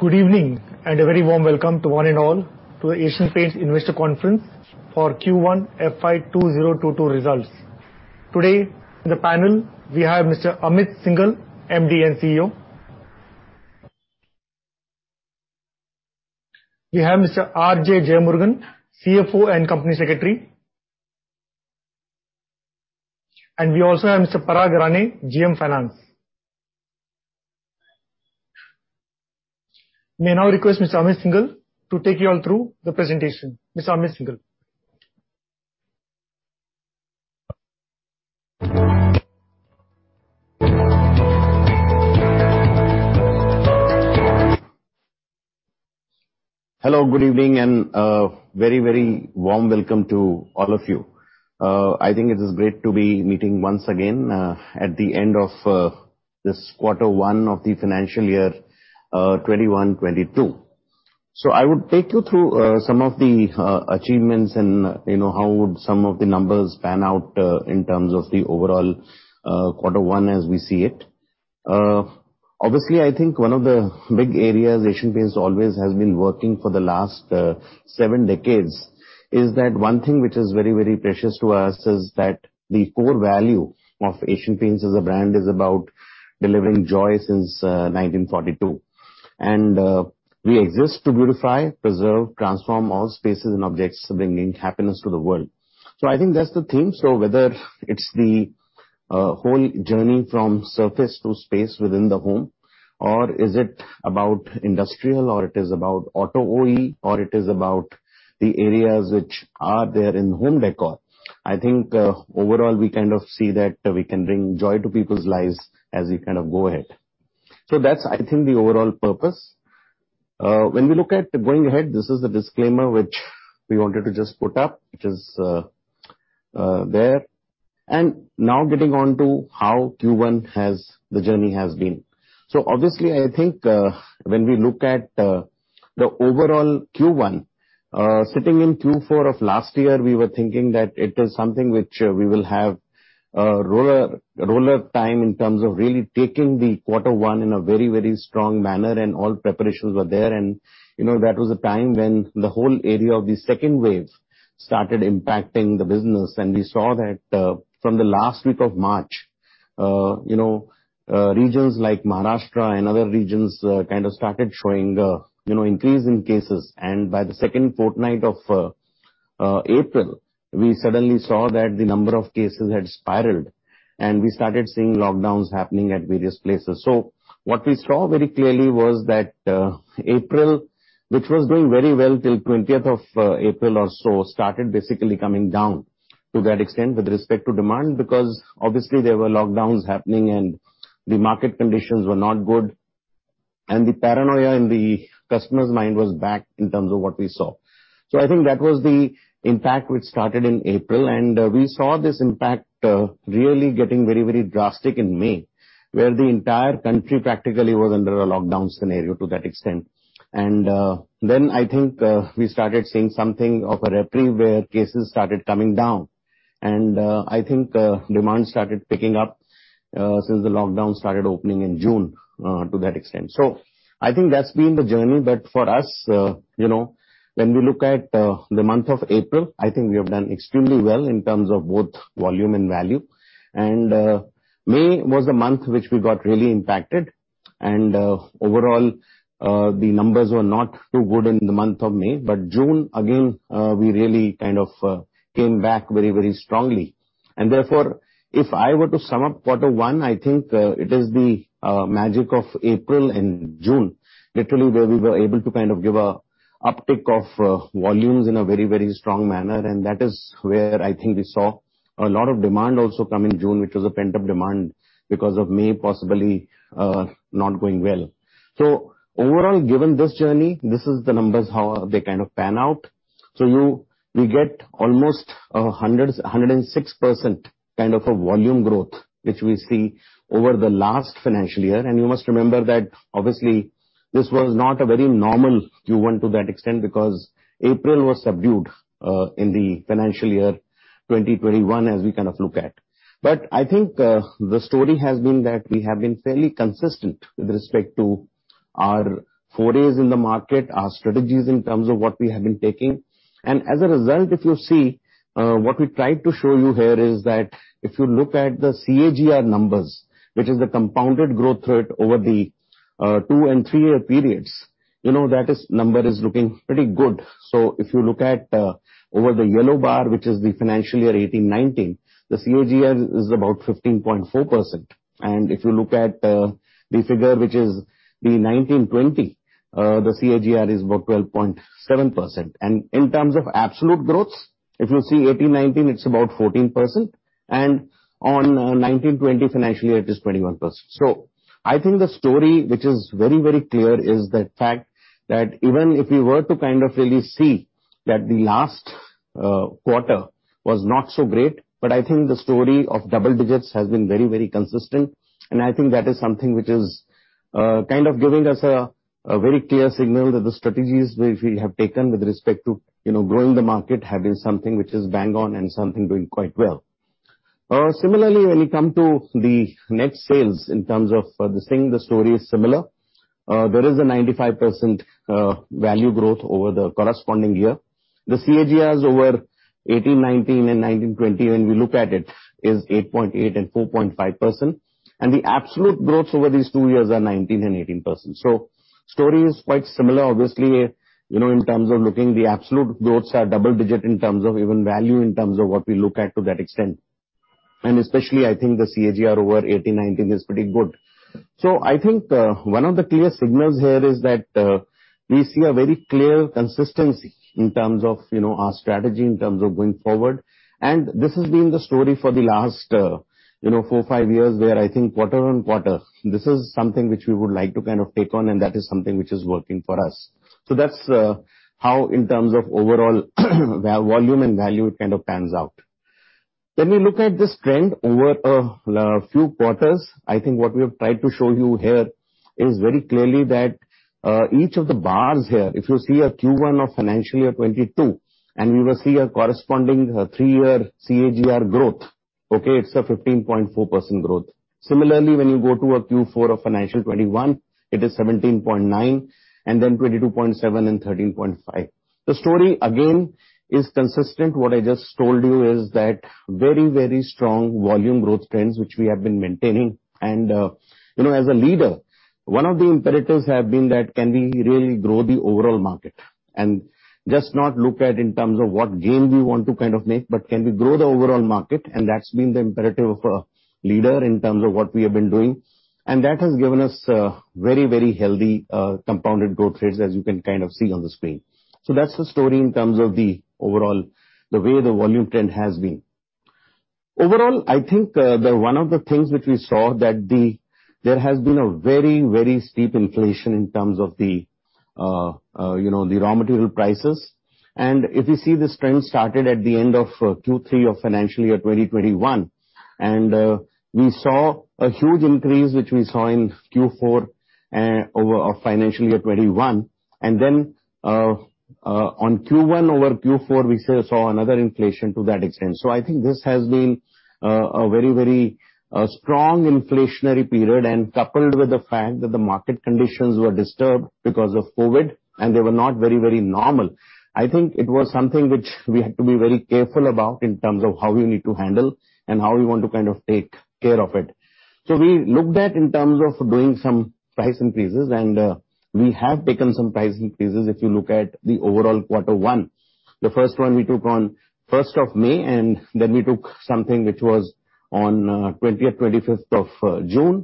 Good evening, a very warm welcome to one and all to the Asian Paints Investor Conference for Q1 FY 2022 results. Today, in the panel, we have Mr. Amit Syngle, MD and CEO. We have Mr. R.J. Jeyamurugan, CFO and Company Secretary. We also have Mr. Parag Rane, GM Finance. May I now request Mr. Amit Syngle to take you all through the presentation. Mr. Amit Syngle. Hello good evening, and a very warm welcome to all of you. I think it is great to be meeting once again, at the end of this quarter one of the financial year 2021-2022. I would take you through some of the achievements and how some of the numbers pan out in terms of the overall quarter one as we see it. Obviously, I think one of the big areas Asian Paints always has been working for the last seven decades is that one thing which is very precious to us is that the core value of Asian Paints as a brand is about delivering joy since 1942. We exist to beautify, preserve, transform all spaces and objects, bringing happiness to the world. I think that's the theme. Whether it's the whole journey from surface to space within the home, or is it about industrial, or it is about auto OE, or it is about the areas which are there in home decor. I think, overall, we kind of see that we can bring joy to people's lives as we go ahead. That's, I think, the overall purpose. When we look at going ahead, this is a disclaimer which we wanted to just put up, which is there. Now getting on to how Q1, the journey has been. Obviously, I think, when we look at the overall Q1. Sitting in Q4 of last year, we were thinking that it is something which we will have a roller time in terms of really taking the quarter one in a very strong manner, and all preparations were there. That was a time when the whole area of the second wave started impacting the business. We saw that from the last week of March 2021, regions like Maharashtra and other regions kind of started showing increase in cases. By the second fortnight of April, we suddenly saw that the number of cases had spiraled, and we started seeing lockdowns happening at various places. What we saw very clearly was that April, which was doing very well till April 20th, 2021 or so, started basically coming down to that extent with respect to demand, because obviously there were lockdowns happening and the market conditions were not good. The paranoia in the customer's mind was back in terms of what we saw. I think that was the impact which started in April, we saw this impact really getting very drastic in May, where the entire country practically was under a lockdown scenario to that extent. Then I think, we started seeing something of a reprieve where cases started coming down. I think demand started picking up since the lockdown started opening in June to that extent. I think that's been the journey, but for us, when we look at the month of April, I think we have done extremely well in terms of both volume and value. May was the month which we got really impacted. Overall, the numbers were not too good in the month of May, but June again, we really kind of came back very strongly. Therefore, if I were to sum up quarter one, I think it is the magic of April and June, literally, where we were able to kind of give a uptick of volumes in a very strong manner. That is where I think we saw a lot of demand also come in June, which was a pent-up demand because of May possibly not going well. Overall, given this journey, this is the numbers, how they pan out. We get almost 106% kind of a volume growth, which we see over the last financial year. You must remember that obviously this was not a very normal Q1 to that extent because April was subdued in the financial year 2021, as we look at. I think the story has been that we have been fairly consistent with respect to our forays in the market, our strategies in terms of what we have been taking. As a result, if you see, what we tried to show you here is that if you look at the compound annual growth rate numbers, which is the compounded growth rate over the two and three-year periods, that number is looking pretty good. If you look at over the yellow bar, which is the FY 2018-2019, the compound growth rate is about 15.4%. If you look at the figure, which is the FY 2019-2020, the compound growth rate is about 12.7%. In terms of absolute growths, if you see FY 2018-2019, it's about 14%, and on FY 2019-2020, it is 21%. I think the story which is very clear is the fact that even if we were to kind of really see that the last quarter was not so great, but I think the story of double digits has been very consistent. I think that is something which is kind of giving us a very clear signal that the strategies which we have taken with respect to growing the market have been something which is bang on and something doing quite well. Similarly, when we come to the net sales in terms of this thing, the story is similar. There is a 95% value growth over the corresponding year. The compound annual growth rates over 2018-2019 and 2019-2020, when we look at it, is 8.8 and 4.5%. The absolute growths over these two years are 19 and 18%. The story is quite similar, obviously, in terms of looking, the absolute growths are double-digit in terms of even value, in terms of what we look at to that extent. I think the compound annual growth rate over 2018-2019 is pretty good. I think one of the clear signals here is that we see a very clear consistency in terms of our strategy in terms of going forward. This has been the story for the last four or five years, where I think quarter-on-quarter, this is something which we would like to kind of take on, and that is something which is working for us. That's how, in terms of overall volume and value, it kind of pans out. When we look at this trend over a few quarters, I think what we have tried to show you here is very clearly that each of the bars here, if you see a Q1 FY 2022, and we will see a corresponding three-year compound annual growth rate growth. It's a 15.4% growth. Similarly, when you go to a Q4 FY 2021, it is 17.9%, and then 22.7% and 13.5%. The story again is consistent. What I just told you is that very strong volume growth trends, which we have been maintaining. As a leader, one of the imperatives have been that can we really grow the overall market and just not look at in terms of what gain we want to kind of make, but can we grow the overall market? That's been the imperative of a leader in terms of what we have been doing. That has given us very healthy compounded growth rates as you can kind of see on the screen. That's the story in terms of the overall way the volume trend has been. Overall, I think one of the things which we saw, that there has been a very steep inflation in terms of the raw material prices. If you see this trend started at the end of Q3 of financial year 2021. We saw a huge increase, which we saw in Q4 of financial year 2021. Then on Q1 over Q4, we saw another inflation to that extent. I think this has been a very strong inflationary period, and coupled with the fact that the market conditions were disturbed because of COVID, and they were not very normal. I think it was something which we had to be very careful about in terms of how we need to handle and how we want to kind of take care of it. We looked at in terms of doing some price increases, and we have taken some price increases if you look at the overall quarter one. The first one we took on May 1st, 2021 and then we took something which was on June 20th, June 25th, 2021.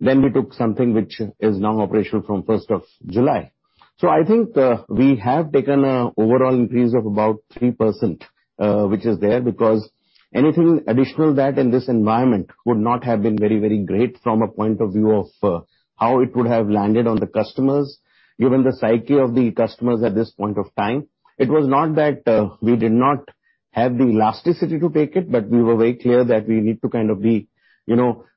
Then we took something which is now operational from 1st of July. I think we have taken a overall increase of about 3%, which is there because anything additional that in this environment would not have been very, very great from a point of view of how it would have landed on the customers, given the psyche of the customers at this point of time. It was not that we did not have the elasticity to take it. We were very clear that we need to kind of be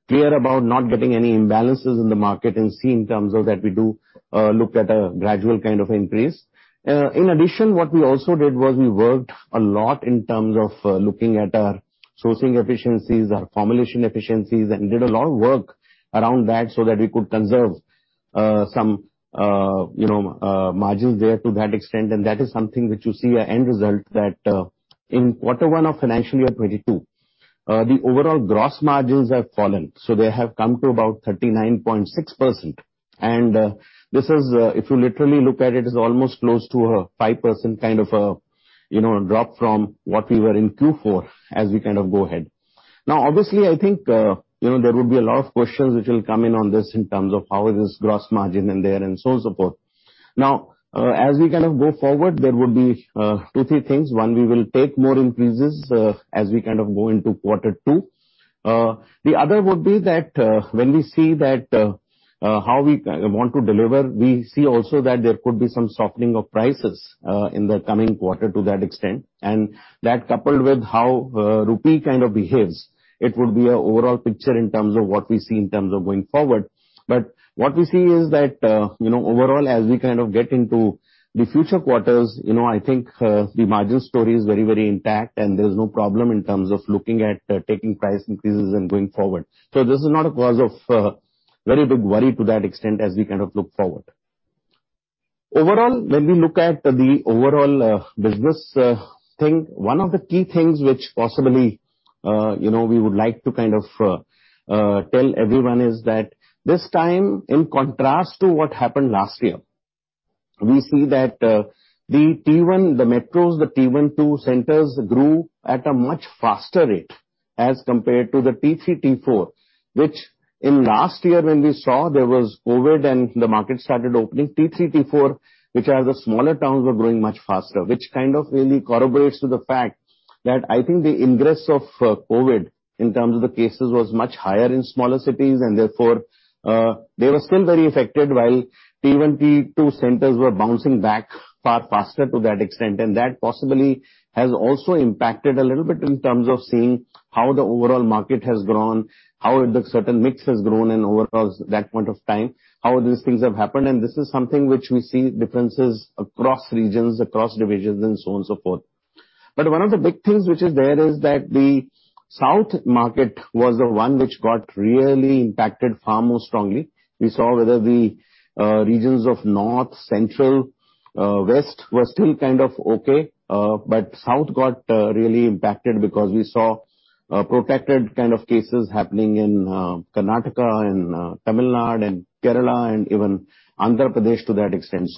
clear about not getting any imbalances in the market and see in terms of that we do look at a gradual kind of increase. In addition, what we also did was we worked a lot in terms of looking at our sourcing efficiencies, our formulation efficiencies, and did a lot of work around that so that we could conserve some margins there to that extent. That is something which you see an end result that in Q1 FY 2022, the overall gross margins have fallen. They have come to about 39.6%. This is, if you literally look at it, is almost close to a 5% kind of a drop from what we were in Q4 as we kind of go ahead. Obviously, I think there will be a lot of questions which will come in on this in terms of how is this gross margin in there and so on and so forth. As we kind of go forward, there would be two, three things. One, we will take more increases as we kind of go into Q2. The other would be that when we see that how we want to deliver, we see also that there could be some softening of prices in the coming quarter to that extent. That coupled with how rupee kind of behaves, it would be an overall picture in terms of what we see in terms of going forward. What we see is that overall, as we kind of get into the future quarters, I think the margin story is very, very intact, and there's no problem in terms of looking at taking price increases and going forward. This is not a cause of very big worry to that extent as we kind of look forward. Overall, when we look at the overall business thing, one of the key things which possibly we would like to kind of tell everyone is that this time, in contrast to what happened last year, we see that the metros, the T1, T2 centers grew at a much faster rate as compared to the T3, T4. Last year, when we saw there was COVID and the market started opening, T3, T4, which are the smaller towns, were growing much faster. Which kind of really corroborates to the fact that I think the ingress of COVID in terms of the cases was much higher in smaller cities and therefore they were still very affected while T1, T2 centers were bouncing back far faster to that extent. That possibly has also impacted a little bit in terms of seeing how the overall market has grown, how the certain mix has grown, and over that point of time, how these things have happened. This is something which we see differences across regions, across divisions, and so on and so forth. One of the big things which is there is that the south market was the one which got really impacted far more strongly. We saw whether the regions of north, central, west were still kind of okay. South got really impacted because we saw protected kind of cases happening in Karnataka and Tamil Nadu and Kerala and even Andhra Pradesh to that extent.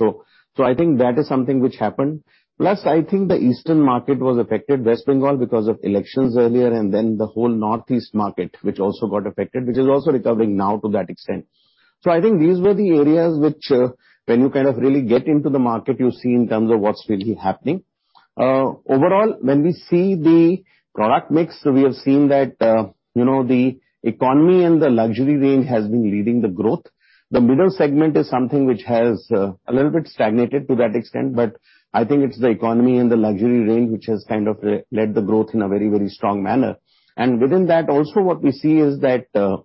I think that is something which happened. I think the eastern market was affected, West Bengal, because of elections earlier, and then the whole Northeast market, which also got affected, which is also recovering now to that extent. I think these were the areas which when you kind of really get into the market, you see in terms of what's really happening. Overall, when we see the product mix, we have seen that the economy and the luxury range has been leading the growth. The middle segment is something which has a little bit stagnated to that extent, I think it's the economy and the luxury range, which has kind of led the growth in a very strong manner. Within that, also what we see is that the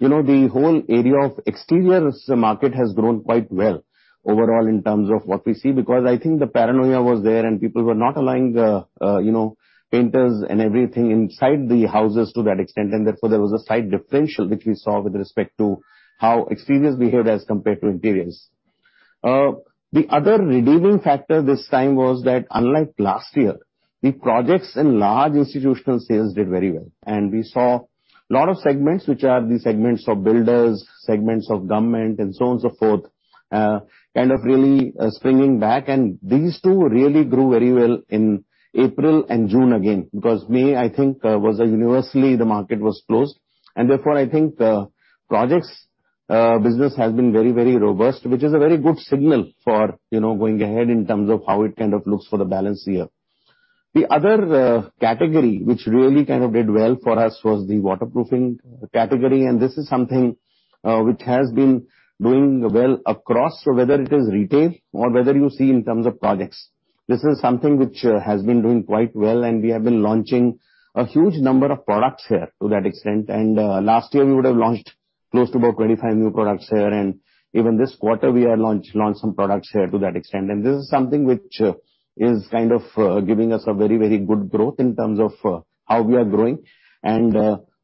whole area of exterior as a market has grown quite well overall in terms of what we see, because I think the paranoia was there and people were not allowing the painters and everything inside the houses to that extent. Therefore there was a slight differential, which we saw with respect to how exteriors behaved as compared to interiors. The other redeeming factor this time was that unlike last year, the projects and large institutional sales did very well. We saw a lot of segments, which are the segments of builders, segments of government and so on so forth, kind of really springing back. These two really grew very well in April and June again, because May, I think, was universally the market was closed. Therefore, I think the projects business has been very robust, which is a very good signal for going ahead in terms of how it kind of looks for the balance here. The other category, which really did well for us, was the waterproofing category. This is something which has been doing well across, so whether it is retail or whether you see in terms of projects. This is something which has been doing quite well, and we have been launching a huge number of products here to that extent. Last year, we would have launched close to about 25 new products here. Even this quarter, we have launched some products here to that extent. This is something which is kind of giving us a very good growth in terms of how we are growing.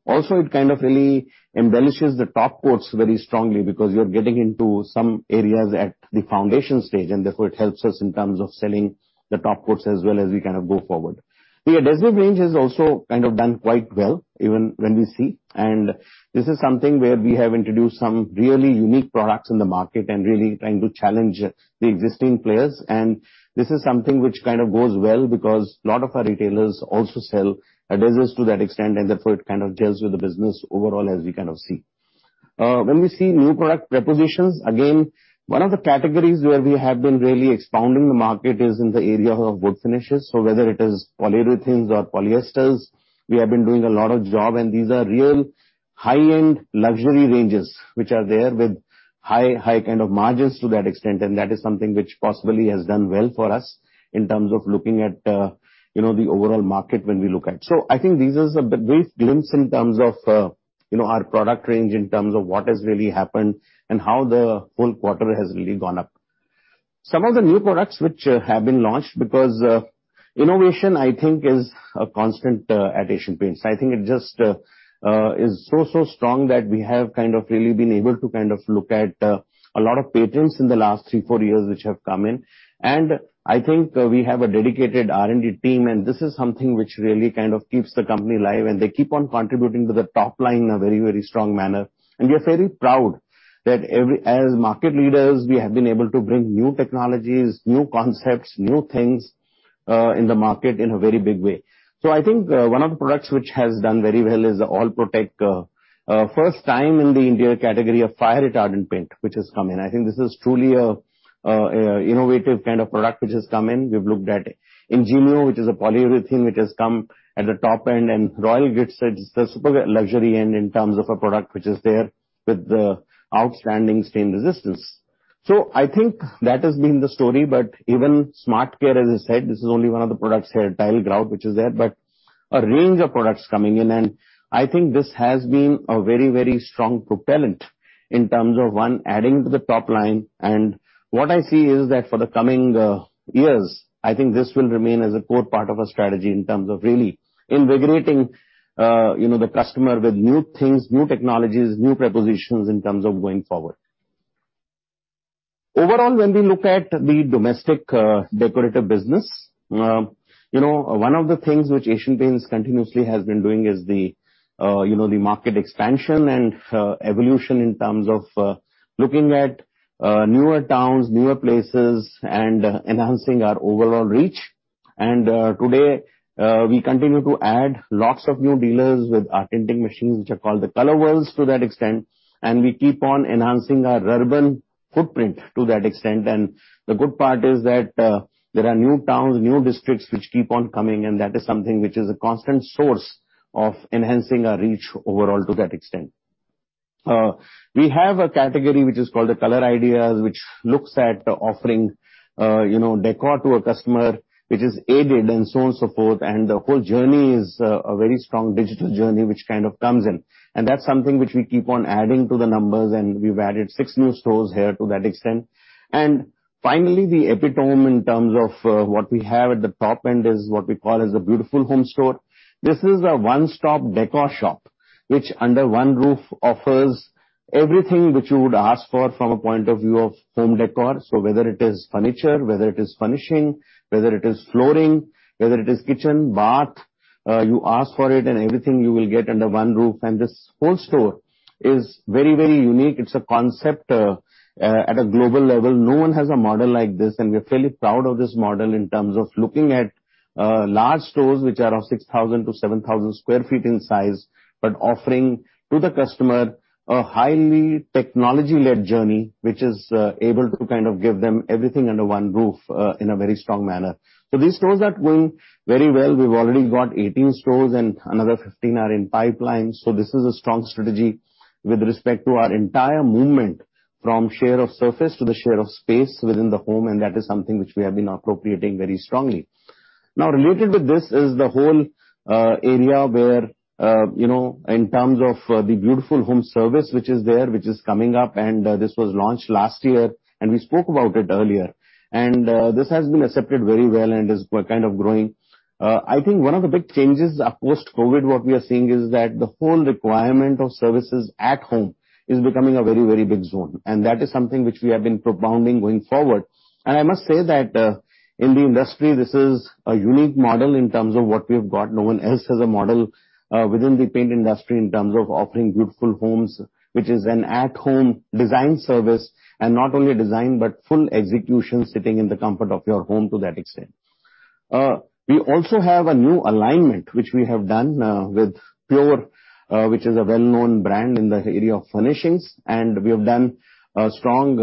Also it kind of really embellishes the top coats very strongly because you're getting into some areas at the foundation stage, and therefore it helps us in terms of selling the top coats as well as we kind of go forward. The adhesive range has also kind of done quite well, even when we see. This is something where we have introduced some really unique products in the market and really trying to challenge the existing players. This is something which kind of goes well because a lot of our retailers also sell adhesives to that extent, and therefore it kind of gels with the business overall as we kind of see. When we see new product propositions, again, one of the categories where we have been really expounding the market is in the area of wood finishes. Whether it is polyurethanes or polyesters, we have been doing a lot of job, and these are real high-end luxury ranges, which are there with high kind of margins to that extent, and that is something which possibly has done well for us in terms of looking at the overall market when we look at. I think this is a brief glimpse in terms of our product range, in terms of what has really happened and how the whole quarter has really gone up. Some of the new products which have been launched, because innovation, I think, is a constant at Asian Paints. I think it just is so strong that we have kind of really been able to look at a lot of patents in the last three, four years, which have come in. I think we have a dedicated R&D team, and this is something which really kind of keeps the company alive, and they keep on contributing to the top line in a very strong manner. We are very proud that as market leaders, we have been able to bring new technologies, new concepts, new things in the market in a very big way. I think one of the products which has done very well is the Apcolite All Protek. First time in the India category of fire retardant paint, which has come in. I think this is truly a innovative kind of product which has come in. We've looked at Ingenio, which is a polyurethane, which has come at the top end, and Royale Glitz, it's the super luxury end in terms of a product which is there with outstanding stain resistance. I think that has been the story, but even SmartCare, as I said, this is only one of the products here, Tile Grout, which is there, but a range of products coming in. I think this has been a very strong propellant in terms of, one, adding to the top line. What I see is that for the coming years, I think this will remain as a core part of our strategy in terms of really invigorating the customer with new things, new technologies, new propositions in terms of going forward. Overall, when we look at the domestic decorative business, one of the things which Asian Paints continuously has been doing is the market expansion and evolution in terms of looking at newer towns, newer places, and enhancing our overall reach. Today, we continue to add lots of new dealers with our tinting machines, which are called the Colour World, to that extent. We keep on enhancing our urban footprint to that extent. The good part is that there are new towns, new districts, which keep on coming, and that is something which is a constant source of enhancing our reach overall to that extent. We have a category which is called the Colour Ideas, which looks at offering décor to a customer, which is aided and so on so forth. The whole journey is a very strong digital journey, which kind of comes in. That's something which we keep on adding to the numbers, and we've added six new stores here to that extent. Finally, the epitome in terms of what we have at the top end is what we call as a Beautiful Homes Store. This is a one-stop décor shop, which under one roof offers everything which you would ask for from a point of view of home décor. Whether it is furniture, whether it is furnishing, whether it is flooring, whether it is kitchen, bath, you ask for it, and everything you will get under one roof. This whole store is very unique. It's a concept at a global level. No one has a model like this, and we're fairly proud of this model in terms of looking at large stores, which are of 6,000-7,000 sq ft in size, but offering to the customer a highly technology-led journey, which is able to give them everything under one roof, in a very strong manner. These stores are doing very well. We've already got 18 stores and another 15 are in pipeline. This is a strong strategy with respect to our entire movement from share of surface to the share of space within the home, and that is something which we have been appropriating very strongly. Related with this is the whole area where, in terms of the Beautiful Homes Service, which is there, which is coming up, and this was launched last year, and we spoke about it earlier. This has been accepted very well and is growing. I think one of the big changes post-COVID, what we are seeing is that the whole requirement of services at home is becoming a very big zone, and that is something which we have been propounding going forward. I must say that, in the industry, this is a unique model in terms of what we have got. No one else has a model within the paint industry in terms of offering Beautiful Homes, which is an at-home design service, and not only a design, but full execution sitting in the comfort of your home to that extent. We also have a new alignment, which we have done with Pure, which is a well-known brand in the area of furnishings. We have done a strong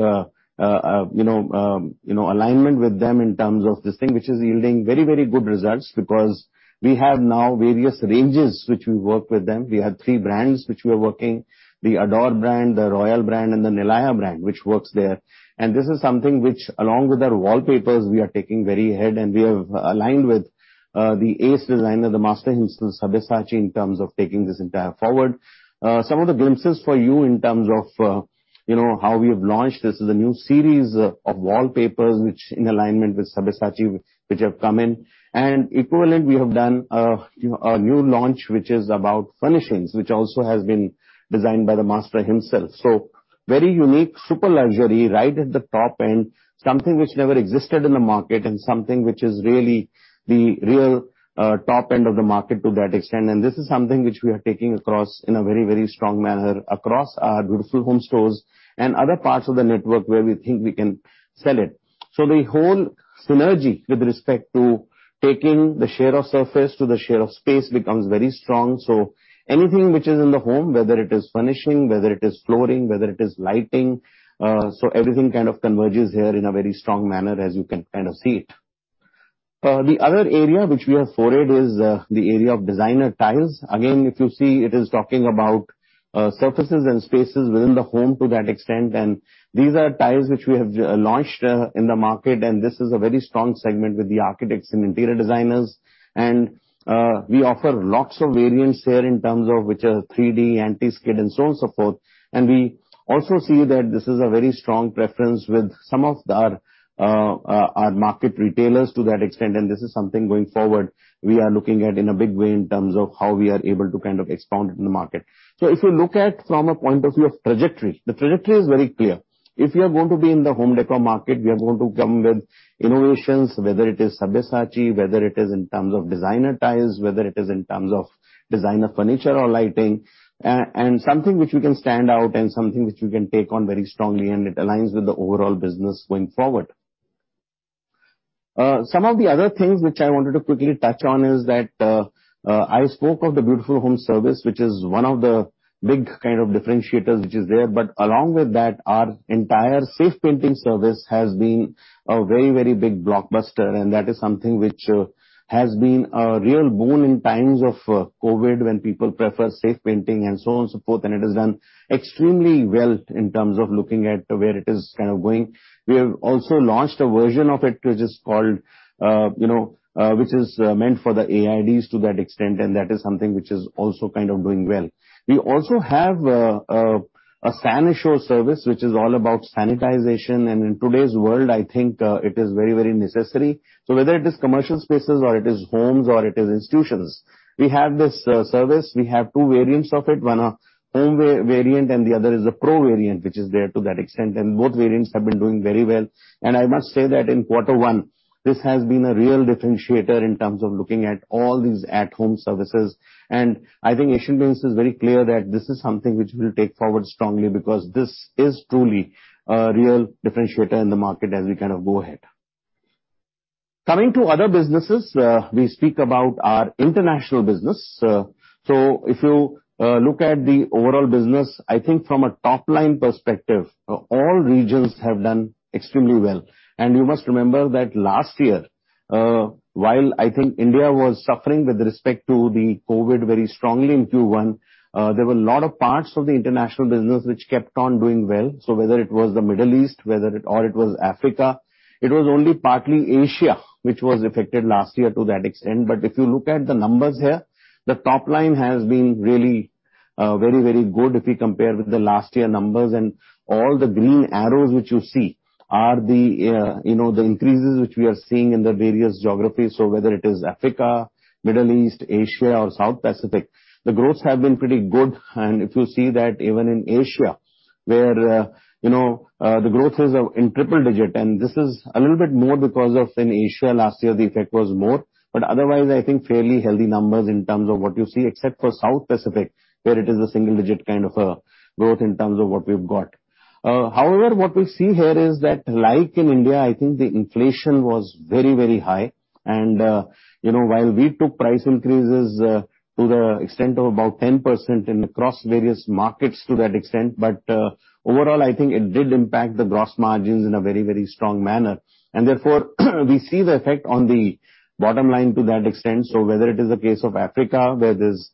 alignment with them in terms of this thing, which is yielding very good results because we have now various ranges which we work with them. We have three brands which we are working, the Adore brand, the Royale brand, and the Nilaya brand, which works there. This is something which, along with our wallpapers, we are taking very ahead, and we have aligned with the ace designer, the master himself, Sabyasachi, in terms of taking this entire forward. Some of the glimpses for you in terms of how we have launched this as a new series of wallpapers, which in alignment with Sabyasachi, which have come in. Equivalent, we have done a new launch, which is about furnishings, which also has been designed by the master himself. Very unique, super luxury, right at the top end, something which never existed in the market and something which is really the real top end of the market to that extent. This is something which we are taking across in a very strong manner across our Beautiful Homes stores and other parts of the network where we think we can sell it. The whole synergy with respect to taking the share of surface to the share of space becomes very strong. Anything which is in the home, whether it is furnishing, whether it is flooring, whether it is lighting, everything kind of converges here in a very strong manner as you can see it. The other area which we have forayed is the area of designer tiles. Again, if you see, it is talking about surfaces and spaces within the home to that extent. These are tiles which we have launched in the market, and this is a very strong segment with the architects and interior designers. We offer lots of variants here in terms of which are 3D, anti-skid, and so on, so forth. We also see that this is a very strong preference with some of our market retailers to that extent, and this is something going forward we are looking at in a big way in terms of how we are able to expound in the market. If you look at from a point of view of trajectory, the trajectory is very clear. If we are going to be in the home décor market, we are going to come with innovations, whether it is Sabyasachi, whether it is in terms of designer tiles, whether it is in terms of designer furniture or lighting, and something which we can stand out and something which we can take on very strongly, and it aligns with the overall business going forward. Some of the other things which I wanted to quickly touch on is that, I spoke of the Beautiful Homes Service, which is one of the big differentiators which is there. Along with that, our entire Safe Painting Service has been a very big blockbuster, and that is something which has been a real boon in times of COVID, when people prefer safe painting and so on, so forth. It has done extremely well in terms of looking at where it is going. We have also launched a version of it, which is meant for the IHBs to that extent, that is something which is also doing well. We also have a San Assure service, which is all about sanitization. In today's world, I think it is very necessary. Whether it is commercial spaces or it is homes or it is institutions, we have this service. We have two variants of it. One, a home variant, and the other is a pro variant, which is there to that extent. Both variants have been doing very well. I must say that in quarter one, this has been a real differentiator in terms of looking at all these at-home services. I think Asian Paints is very clear that this is something which we'll take forward strongly because this is truly a real differentiator in the market as we go ahead. Coming to other businesses, we speak about our international business. If you look at the overall business, I think from a top-line perspective, all regions have done extremely well. You must remember that last year, while I think India was suffering with respect to the COVID very strongly in Q1, there were a lot of parts of the international business which kept on doing well. Whether it was the Middle East or it was Africa, it was only partly Asia which was affected last year to that extent. If you look at the numbers here, the top line has been really very, very good if we compare with the last year numbers. All the green arrows which you see are the increases which we are seeing in the various geographies. Whether it is Africa, Middle East, Asia, or South Pacific, the growth has been pretty good. If you see that even in Asia, where the growth is in triple-digit, and this is a little bit more because of in Asia, last year the effect was more. Otherwise, I think fairly healthy numbers in terms of what you see, except for South Pacific, where it is a single-digit kind of a growth in terms of what we've got. However, what we see here is that like in India, I think the inflation was very high, while we took price increases to the extent of about 10% and across various markets to that extent, but overall, I think it did impact the gross margins in a very, very strong manner. Therefore we see the effect on the bottom line to that extent. Whether it is a case of Africa where it is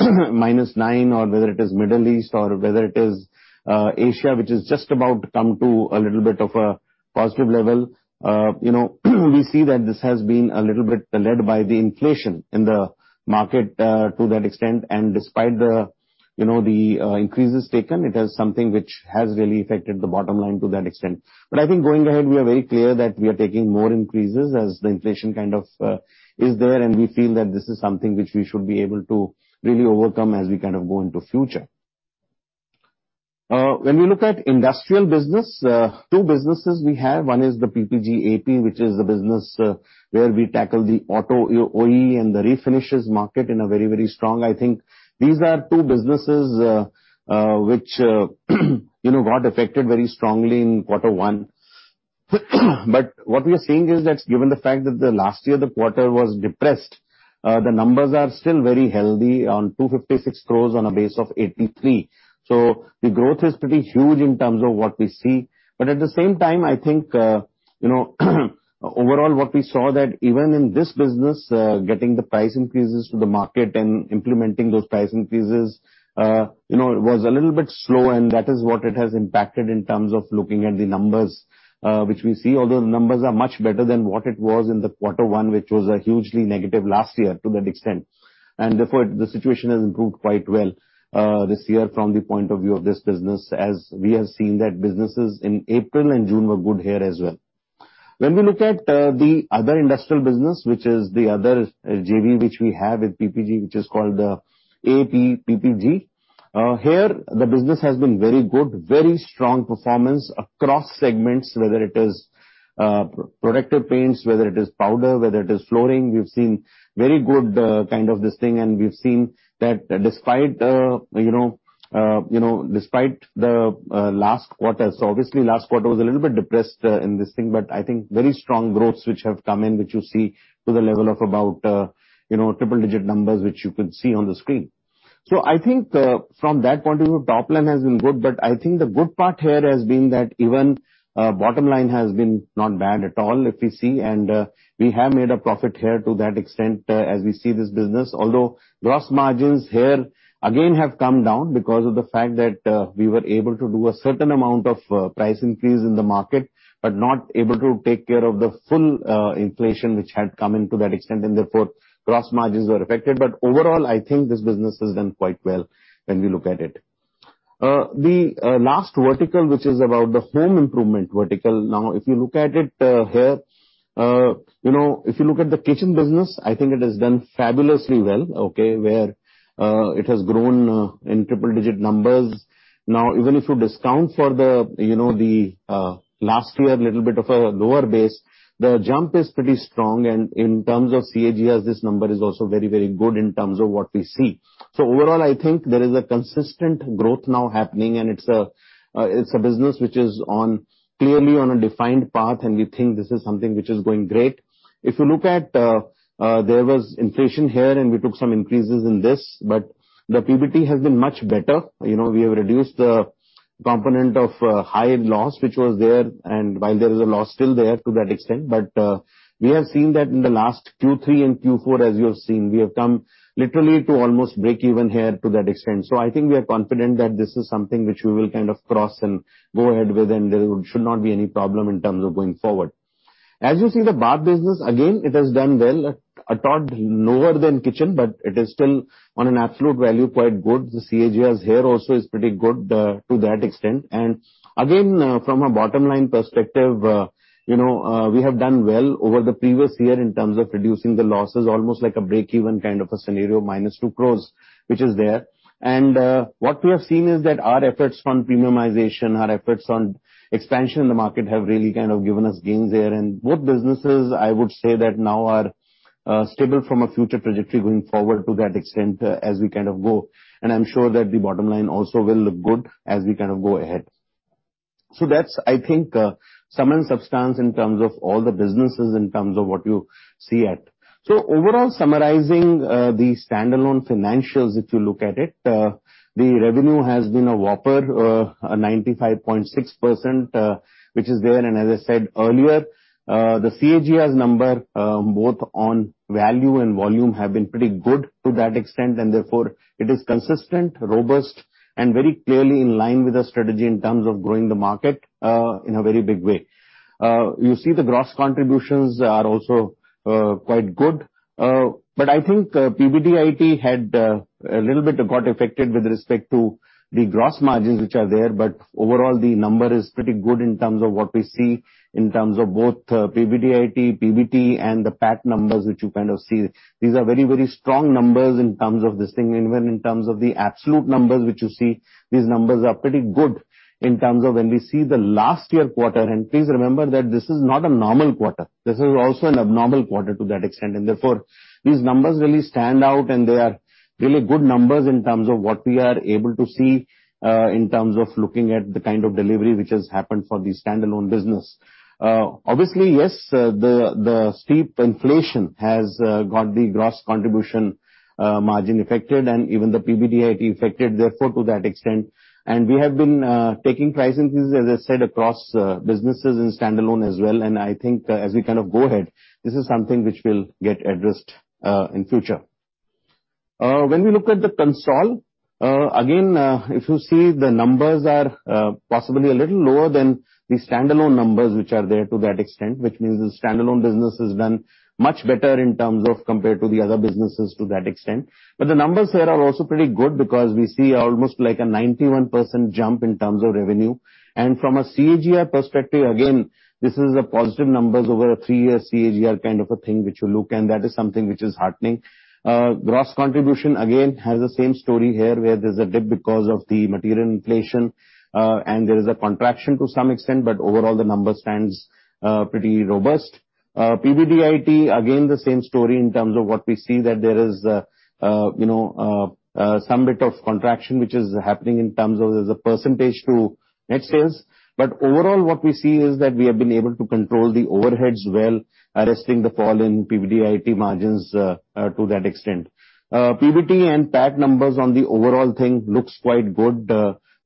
minus 9, or whether it is Middle East, or whether it is Asia, which is just about to come to a little bit of a positive level. We see that this has been a little bit led by the inflation in the market, to that extent. Despite the increases taken, it is something which has really affected the bottom line to that extent. I think going ahead, we are very clear that we are taking more increases as the inflation kind of is there, and we feel that this is something which we should be able to really overcome as we go into future. When we look at industrial business, 2 businesses we have, one is the PPG AP, which is the business where we tackle the auto OE and the refinishes market in a very, very strong I think these are 2 businesses which got affected very strongly in quarter one. What we are seeing is that given the fact that the last year the quarter was depressed, the numbers are still very healthy on 256 crores on a base of 83. The growth is pretty huge in terms of what we see. At the same time, I think, overall what we saw that even in this business, getting the price increases to the market and implementing those price increases was a little bit slow, and that is what it has impacted in terms of looking at the numbers, which we see. Although numbers are much better than what it was in the Q1, which was hugely negative last year to that extent. Therefore, the situation has improved quite well this year from the point of view of this business, as we have seen that businesses in April and June were good here as well. When we look at the other industrial business, which is the other JV which we have with PPG, which is called the AP PPG. Here, the business has been very good, very strong performance across segments, whether it is protective paints, whether it is powder, whether it is flooring. We've seen very good kind of this thing, and we've seen that despite the last quarter. Obviously, last quarter was a little bit depressed in this thing, but I think very strong growths which have come in, which you see to the level of about triple-digit numbers, which you can see on the screen. I think from that point of view, top line has been good, but I think the good part here has been that even bottom line has been not bad at all if we see, and we have made a profit here to that extent as we see this business. Gross margins here again have come down because of the fact that we were able to do a certain amount of price increase in the market, but not able to take care of the full inflation which had come in to that extent, and therefore gross margins were affected. Overall, I think this business has done quite well when we look at it. The last vertical, which is about the home improvement vertical. If you look at it here, if you look at the kitchen business, I think it has done fabulously well, okay, where it has grown in triple-digit numbers. Even if you discount for the last year, little bit of a lower base, the jump is pretty strong. In terms of compound annual growth rates, this number is also very good in terms of what we see. Overall, I think there is a consistent growth now happening, and it's a business which is clearly on a defined path, and we think this is something which is going great. If you look at, there was inflation here and we took some increases in this, but the PBT has been much better. We have reduced the component of higher loss, which was there, and while there is a loss still there to that extent, but we have seen that in the last Q3 and Q4 as you have seen, we have come literally to almost break even here to that extent. I think we are confident that this is something which we will kind of cross and go ahead with, and there should not be any problem in terms of going forward. As you see the bath business, again, it has done well, a tod lower than kitchen, but it is still on an absolute value, quite good. The compound annual growth rates here also is pretty good to that extent. Again, from a bottom-line perspective, we have done well over the previous year in terms of reducing the losses, almost like a break-even kind of a scenario, -2 crores, which is there. What we have seen is that our efforts on premiumization, our efforts on expansion in the market have really kind of given us gains there. Both businesses, I would say that now are stable from a future trajectory going forward to that extent as we go. I'm sure that the bottom line also will look good as we go ahead. That's, I think, sum and substance in terms of all the businesses, in terms of what you see at. Overall, summarizing the standalone financials, if you look at it, the revenue has been a whopper 95.6%, which is there, and as I said earlier, the compound annual growth rate number, both on value and volume have been pretty good to that extent, and therefore it is consistent, robust, and very clearly in line with the strategy in terms of growing the market, in a very big way. You see the gross contributions are also quite good. I think PBDIT had a little bit got affected with respect to the gross margins which are there. Overall, the number is pretty good in terms of what we see, in terms of both PBDIT, PBT, and the PAT numbers which you see. These are very strong numbers in terms of this thing. Even in terms of the absolute numbers which you see, these numbers are pretty good in terms of when we see the last year quarter. please remember that this is not a normal quarter, this is also an abnormal quarter to that extent, and therefore, these numbers really stand out and they are really good numbers in terms of what we are able to see in terms of looking at the kind of delivery which has happened for the standalone business. Obviously, yes, the steep inflation has got the gross contribution margin affected, and even the PBDIT affected, therefore, to that extent. we have been taking price increases, as I said, across businesses in standalone as well, and I think as we go ahead, this is something which will get addressed in future. When we look at the consol, again, if you see the numbers are possibly a little lower than the standalone numbers which are there to that extent, which means the standalone business has done much better in terms of compared to the other businesses to that extent. The numbers here are also pretty good because we see almost like a 91% jump in terms of revenue. From a compound annual growth rate perspective, again, this is a positive numbers over a three-year compound annual growth rate kind of a thing which you look, and that is something which is heartening. Gross contribution, again, has the same story here, where there's a dip because of the material inflation, and there is a contraction to some extent, but overall, the number stands pretty robust. PBDIT, again, the same story in terms of what we see that there is some bit of contraction, which is happening in terms of as a percentage to net sales. Overall, what we see is that we have been able to control the overheads well, arresting the fall in PBDIT margins to that extent. PBT and PAT numbers on the overall thing looks quite good.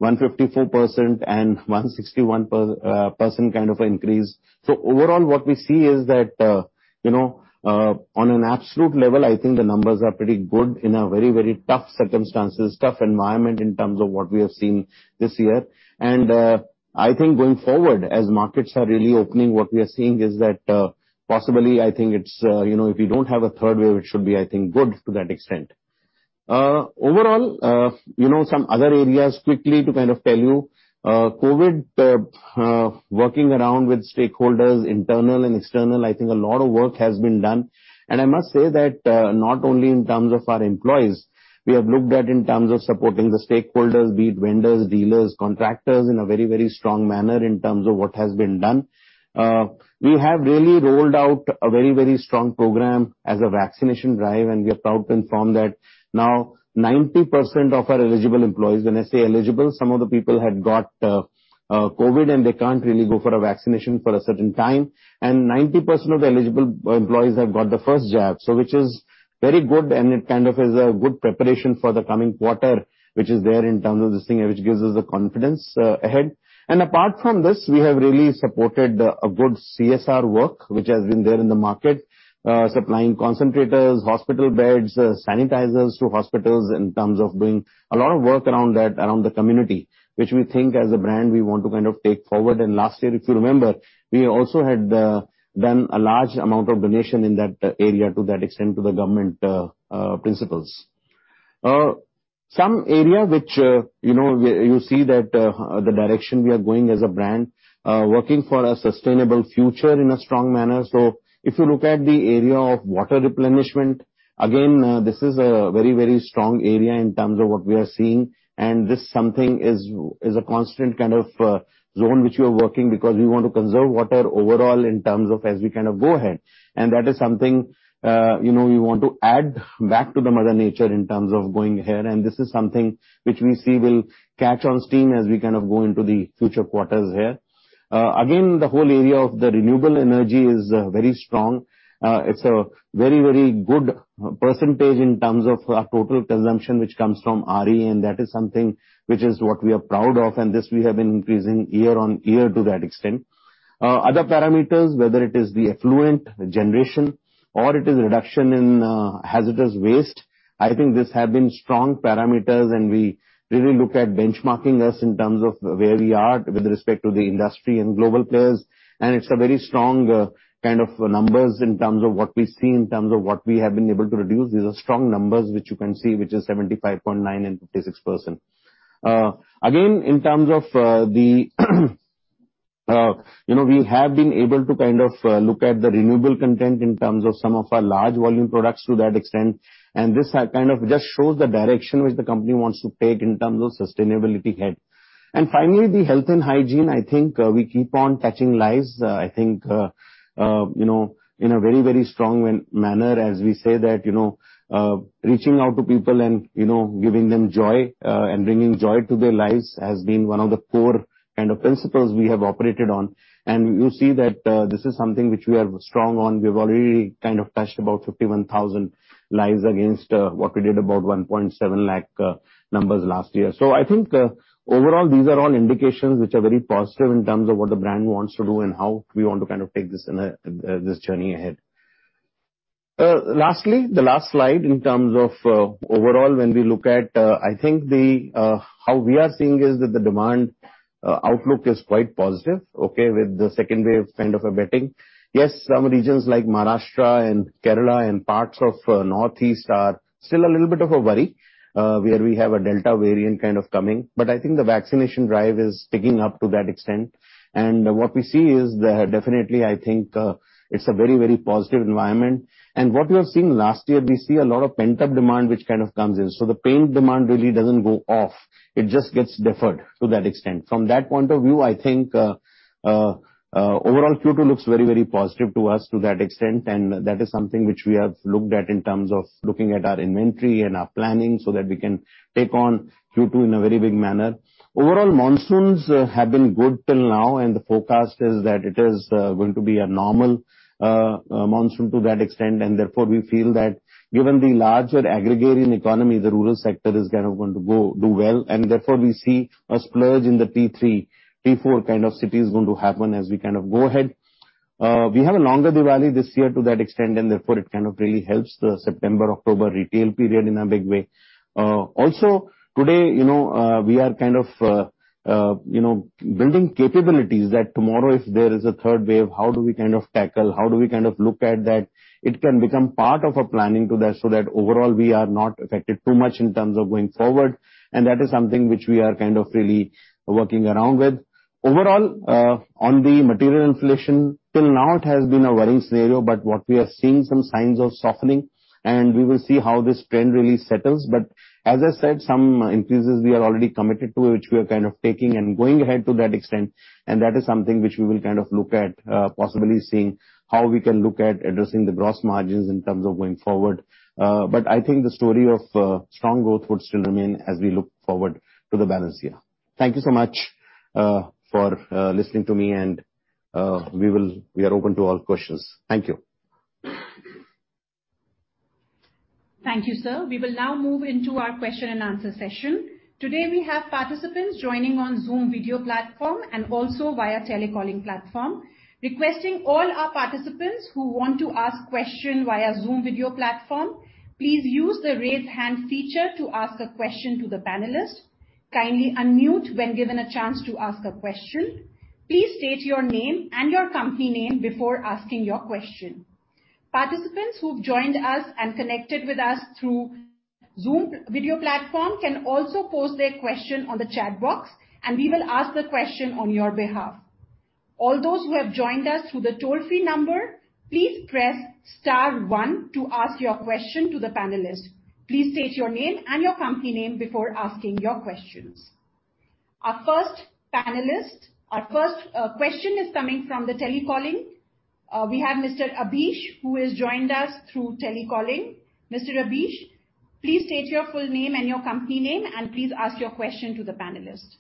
154% and 161% kind of increase. Overall, what we see is that on an absolute level, I think the numbers are pretty good in a very tough circumstances, tough environment in terms of what we have seen this year. I think going forward, as markets are really opening, what we are seeing is that possibly, I think if we don't have a third wave, it should be good to that extent. Overall, some other areas quickly to tell you. COVID, working around with stakeholders, internal and external, I think a lot of work has been done. I must say that not only in terms of our employees, we have looked at in terms of supporting the stakeholders, be it vendors, dealers, contractors, in a very strong manner in terms of what has been done. We have really rolled out a very strong program as a vaccination drive, and we are proud to inform that now 90% of our eligible employees, when I say eligible, some of the people had got COVID, and they can't really go for a vaccination for a certain time, and 90% of eligible employees have got the first jab. Which is very good, and it kind of is a good preparation for the coming quarter, which is there in terms of this thing, which gives us the confidence ahead. Apart from this, we have really supported a good CSR work, which has been there in the market. Supplying concentrators, hospital beds, sanitizers to hospitals in terms of doing a lot of work around that, around the community, which we think as a brand we want to take forward. Last year, if you remember, we also had done a large amount of donation in that area to that extent to the government principals. Some area which you see that the direction we are going as a brand, working for a sustainable future in a strong manner. If you look at the area of water replenishment, again, this is a very strong area in terms of what we are seeing, and this something is a constant kind of zone which we are working because we want to conserve water overall in terms of as we go ahead. That is something we want to add back to the mother nature in terms of going ahead, and this is something which we see will catch on steam as we go into the future quarters here. The whole area of the renewable energy is very strong. It's a very good percentage in terms of our total consumption, which comes from RE, and that is something which is what we are proud of, and this we have been increasing year-on-year to that extent. Other parameters, whether it is the effluent generation or it is reduction in hazardous waste, I think these have been strong parameters, and we really look at benchmarking us in terms of where we are with respect to the industry and global players. It's a very strong kind of numbers in terms of what we see, in terms of what we have been able to reduce. These are strong numbers which you can see, which is 75.9 and 56%. Again, in terms of we have been able to look at the renewable content in terms of some of our large volume products to that extent, and this kind of just shows the direction which the company wants to take in terms of sustainability ahead. Finally, the health and hygiene, I think we keep on touching lives. I think in a very strong manner as we say that reaching out to people and giving them joy and bringing joy to their lives has been one of the core kind of principles we have operated on. You see that this is something which we are strong on. We've already touched about 51,000 lives against what we did about 1.7 lakh numbers last year. I think overall, these are all indications which are very positive in terms of what the brand wants to do and how we want to take this journey ahead. Lastly, the last slide in terms of overall, when we look at, I think how we are seeing is that the demand outlook is quite positive, okay, with the second wave kind of abating. Yes, some regions like Maharashtra and Kerala and parts of Northeast are still a little bit of a worry, where we have a Delta variant kind of coming. I think the vaccination drive is picking up to that extent. What we see is that definitely, I think it's a very positive environment. What we have seen last year, we see a lot of pent-up demand, which kind of comes in. The paint demand really doesn't go off. It just gets deferred to that extent. From that point of view, I think overall Q2 looks very positive to us to that extent, and that is something which we have looked at in terms of looking at our inventory and our planning so that we can take on Q2 in a very big manner. Overall, monsoons have been good till now, and the forecast is that it is going to be a normal monsoon to that extent, and therefore we feel that given the larger aggregate in economy, the rural sector is going to do well, and therefore we see a splurge in the T3, T4 kind of cities going to happen as we go ahead. We have a longer Diwali this year to that extent, therefore it really helps the September-October retail period in a big way. Today, we are building capabilities that tomorrow, if there is a third wave, how do we tackle, how do we look at that? It can become part of a planning so that overall we are not affected too much in terms of going forward, that is something which we are really working around with. On the material inflation, till now it has been a worrying scenario, what we are seeing some signs of softening, we will see how this trend really settles. As I said, some increases we are already committed to, which we are taking and going ahead to that extent, and that is something which we will look at possibly seeing how we can look at addressing the gross margins in terms of going forward. I think the story of strong growth would still remain as we look forward to the balance year. Thank you so much for listening to me, and we are open to all questions. Thank you. Thank you, sir. We will now move into our question and answer session. Today we have participants joining on Zoom video platform and also via telecalling platform. Requesting all our participants who want to ask question via Zoom video platform, please use the raise hand feature to ask a question to the panelist. Kindly unmute when given a chance to ask a question. Please state your name and your company name before asking your question. Participants who've joined us and connected with us through Zoom video platform can also pose their question on the chat box, and we will ask the question on your behalf. All those who have joined us through the toll-free number, please press star one to ask your question to the panelist. Please state your name and your company name before asking your questions. Our first question is coming from the telecalling. We have Mr. Abneesh, who has joined us through telecalling. Mr. Abneesh, please state your full name and your company name, and please ask your question to the panelist.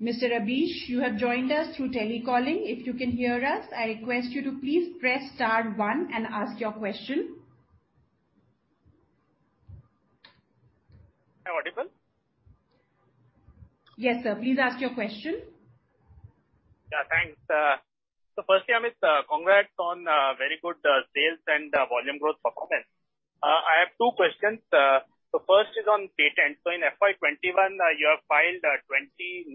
Mr. Abneesh, you have joined us through telecalling. If you can hear us, I request you to please press star one and ask your question. Am I audible? Yes, sir. Please ask your question. Yeah. Thanks. Firstly, Amit, congrats on very good sales and volume growth performance. I have two questions. First is on patents. In FY 2021, you have filed 20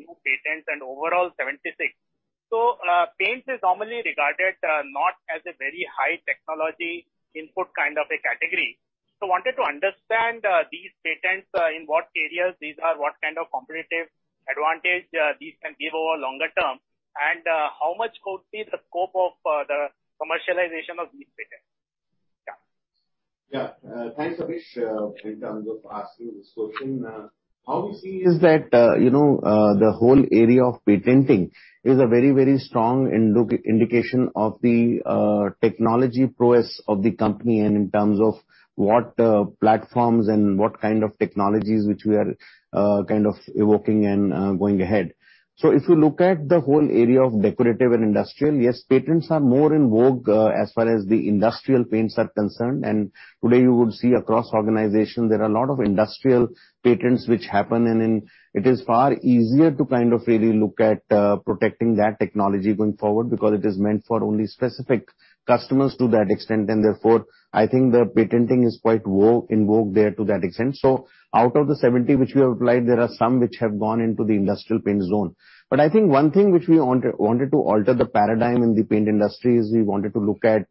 new patents and overall 76. Paints is normally regarded not as a very high technology input kind of a category. I wanted to understand these patents, in what areas these are, what kind of competitive advantage these can give over longer term, and how much could be the scope of the commercialization of these patents? Yeah. Yeah. Thanks Abneesh, in terms of asking this question. How we see is that, the whole area of patenting is a very strong indication of the technology prowess of the company and in terms of what platforms and what kind of technologies which we are kind of evoking and going ahead. If you look at the whole area of decorative and industrial, yes, patents are more in vogue as far as the industrial paints are concerned. Today you would see across organizations, there are a lot of industrial patents which happen, and it is far easier to really look at protecting that technology going forward because it is meant for only specific customers to that extent, and therefore, I think the patenting is quite in vogue there to that extent. Out of the 70 which we have applied, there are some which have gone into the industrial paint zone. I think one thing which we wanted to alter the paradigm in the paint industry is we wanted to look at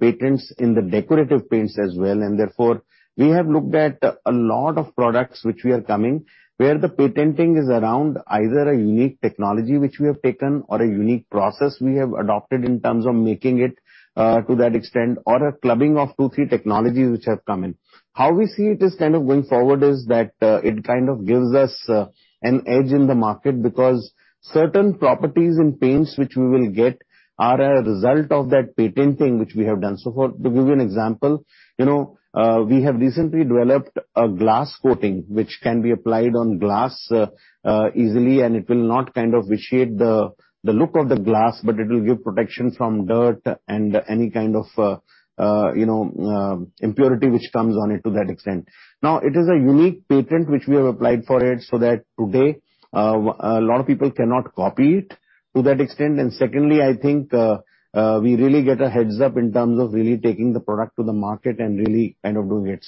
patents in the decorative paints as well. Therefore, we have looked at a lot of products which we are coming, where the patenting is around either a unique technology which we have taken or a unique process we have adopted in terms of making it to that extent, or a clubbing of two, three technologies which have come in. We see it is kind of going forward is that it kind of gives us an edge in the market because certain properties in paints which we will get are a result of that patenting which we have done so far. To give you an example, we have recently developed a glass coating, which can be applied on glass easily, and it will not vitiate the look of the glass, but it will give protection from dirt and any kind of impurity which comes on it to that extent. Now, it is a unique patent which we have applied for it, so that today, a lot of people cannot copy it to that extent. Secondly, I think, we really get a heads up in terms of really taking the product to the market and really kind of doing it.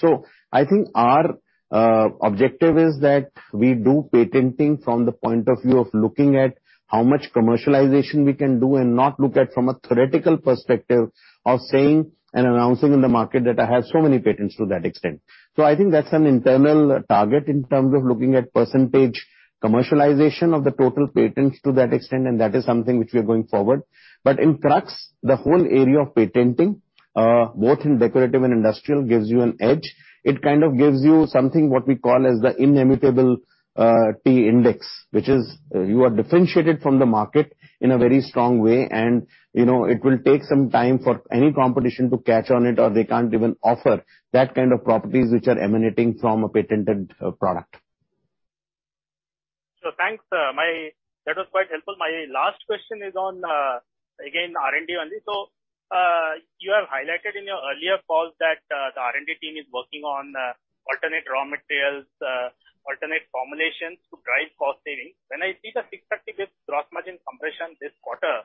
I think our objective is that we do patenting from the point of view of looking at how much commercialization we can do and not look at from a theoretical perspective of saying and announcing in the market that I have so many patents to that extent. I think that's an internal target in terms of looking at % commercialization of the total patents to that extent, and that is something which we are going forward. In crux, the whole area of patenting, both in decorative and industrial, gives you an edge. It kind of gives you something, what we call as the inimitable T index, which is you are differentiated from the market in a very strong way, and it will take some time for any competition to catch on it, or they can't even offer that kind of properties, which are emanating from a patented product. Thanks That was quite helpful. My last question is on, again, R&D only. You have highlighted in your earlier calls that the R&D team is working on alternate raw materials, alternate formulations to drive cost savings. When I see the significant gross margin compression this quarter,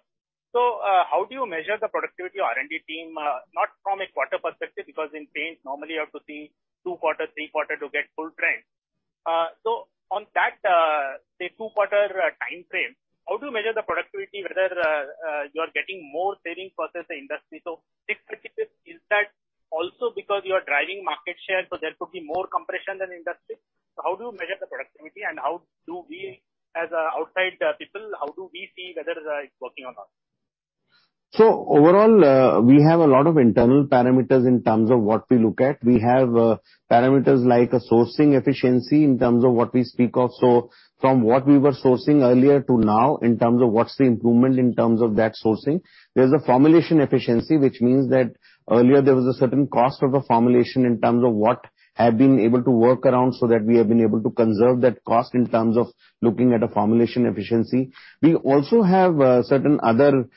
how do you measure the productivity of R&D team? Not from a quarter perspective, because in paint, normally you have to see two quarter, three quarter to get full trend. On that, say, two-quarter time frame, how do you measure the productivity, whether you are getting more savings versus the industry? Is that also because you are driving market share, there could be more compression than industry? How do you measure the productivity and how do we, as outside people, how do we see whether it's working or not? Overall, we have a lot of internal parameters in terms of what we look at. We have parameters like a sourcing efficiency in terms of what we speak of. From what we were sourcing earlier to now, in terms of what's the improvement in terms of that sourcing. There's a formulation efficiency, which means that earlier there was a certain cost of a formulation in terms of what have been able to work around so that we have been able to conserve that cost in terms of looking at a formulation efficiency. We also have certain other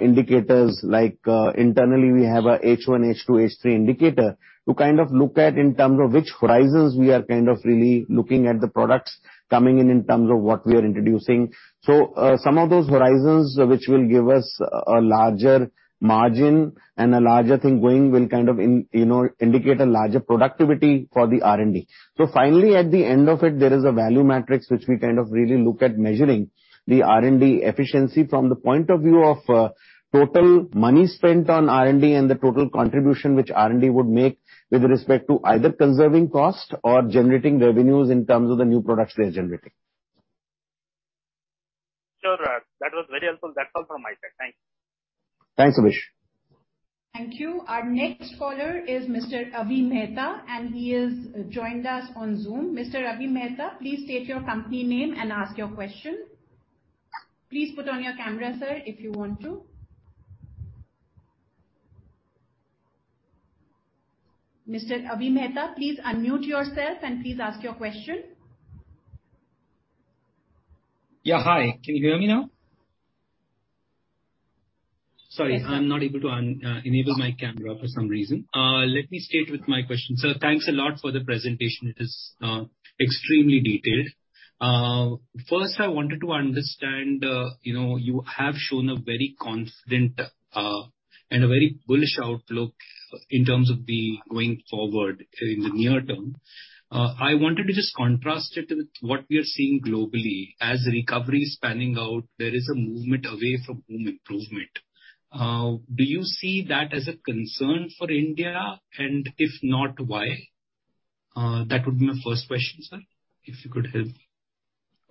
indicators, like internally, we have a H1, H2, H3 indicator to kind of look at in terms of which horizons we are kind of really looking at the products coming in terms of what we are introducing. Some of those horizons, which will give us a larger margin and a larger thing going, will kind of indicate a larger productivity for the R&D. Finally, at the end of it, there is a value matrix which we kind of really look at measuring the R&D efficiency from the point of view of total money spent on R&D and the total contribution which R&D would make with respect to either conserving cost or generating revenues in terms of the new products they are generating. Sure. That was very helpful. That's all from my side. Thanks. Thanks Abneesh. Thank you. Our next caller is Mr. Avi Mehta and he has joined us on Zoom. Mr. Avi Mehta, please state your company name and ask your question. Please put on your camera, sir, if you want to. Mr. Avi Mehta, please unmute yourself and please ask your question. Yeah. Hi, can you hear me now? Sorry, I'm not able to enable my camera for some reason. Let me start with my question. Sir, thanks a lot for the presentation. It is extremely detailed. First, I wanted to understand, you have shown a very confident and a very bullish outlook in terms of the going forward in the near term. I wanted to just contrast it with what we are seeing globally. As recovery is panning out, there is a movement away from home improvement. Do you see that as a concern for India, and if not, why? That would be my first question, sir, if you could help.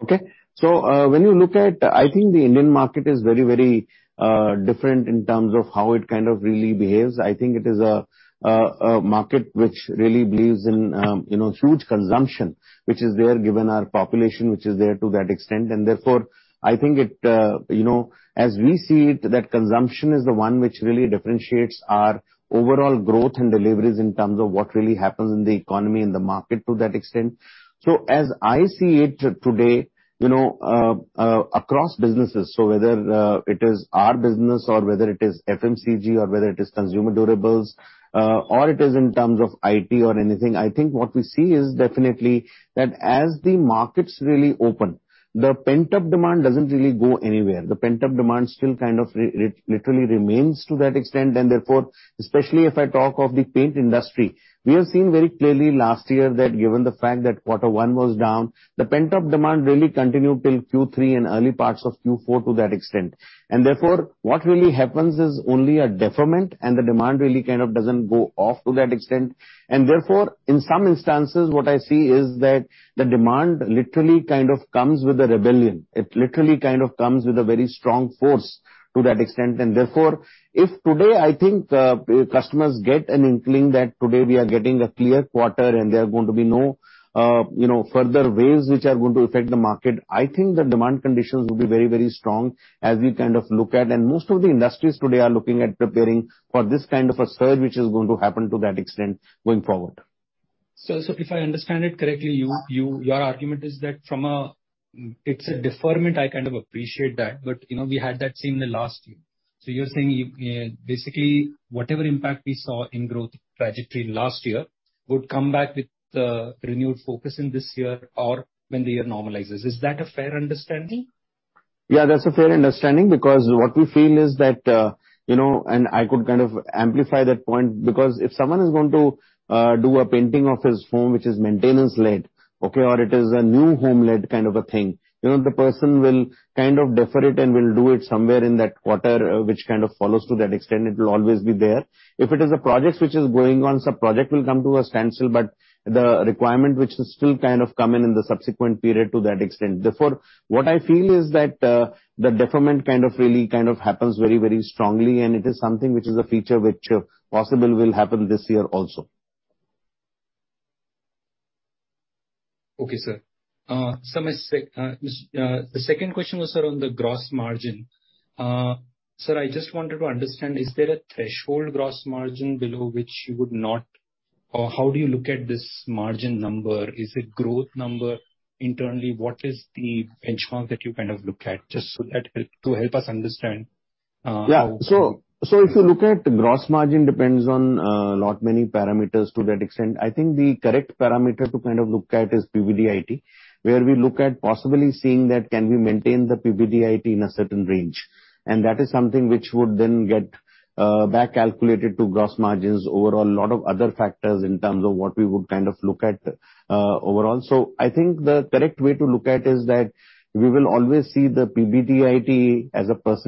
Okay. When you look at, I think the Indian market is very different in terms of how it kind of really behaves. I think it is a market which really believes in huge consumption, which is there given our population, which is there to that extent. Therefore, I think as we see it, that consumption is the one which really differentiates our overall growth and deliveries in terms of what really happens in the economy and the market to that extent. As I see it today, across businesses, whether it is our business or whether it is FMCG or whether it is consumer durables, or it is in terms of IT or anything, I think what we see is definitely that as the markets really open, the pent-up demand doesn't really go anywhere. The pent-up demand still kind of literally remains to that extent. Especially if I talk of the paint industry, we have seen very clearly last year that given the fact that Q1 was down, the pent-up demand really continued till Q3 and early parts of Q4 to that extent. What really happens is only a deferment, and the demand really kind of doesn't go off to that extent. In some instances, what I see is that the demand literally kind of comes with a rebellion. It literally kind of comes with a very strong force to that extent. If today I think customers get an inkling that today we are getting a clear quarter and there are going to be no further waves which are going to affect the market, I think the demand conditions will be very strong as we kind of look at, and most of the industries today are looking at preparing for this kind of a surge, which is going to happen to that extent going forward. If I understand it correctly, your argument is that it's a deferment, I kind of appreciate that, but we had that same the last year. You're saying basically whatever impact we saw in growth trajectory last year would come back with a renewed focus in this year or when the year normalizes. Is that a fair understanding? Yeah, that's a fair understanding because what we feel is that, and I could kind of amplify that point, because if someone is going to do a painting of his home, which is maintenance-led, okay, or it is a new home-led kind of a thing, the person will kind of defer it and will do it somewhere in that quarter, which kind of follows to that extent. It will always be there. If it is a project which is going on, some project will come to a standstill, but the requirement which is still kind of come in the subsequent period to that extent. Therefore, what I feel is that the deferment kind of really happens very strongly, and it is something which is a feature which possibly will happen this year also. Okay, sir. The second question was, sir, on the gross margin. Sir, I just wanted to understand, is there a threshold gross margin below which you would not? How do you look at this margin number? Is it growth number internally? What is the benchmark that you look at? Just so that help us understand. If you look at gross margin depends on lot many parameters to that extent. I think the correct parameter to look at is PBDIT, where we look at possibly seeing that can we maintain the PBDIT in a certain range. That is something which would then get back calculated to gross margins overall, lot of other factors in terms of what we would look at overall. I think the correct way to look at is that we will always see the PBDIT as a %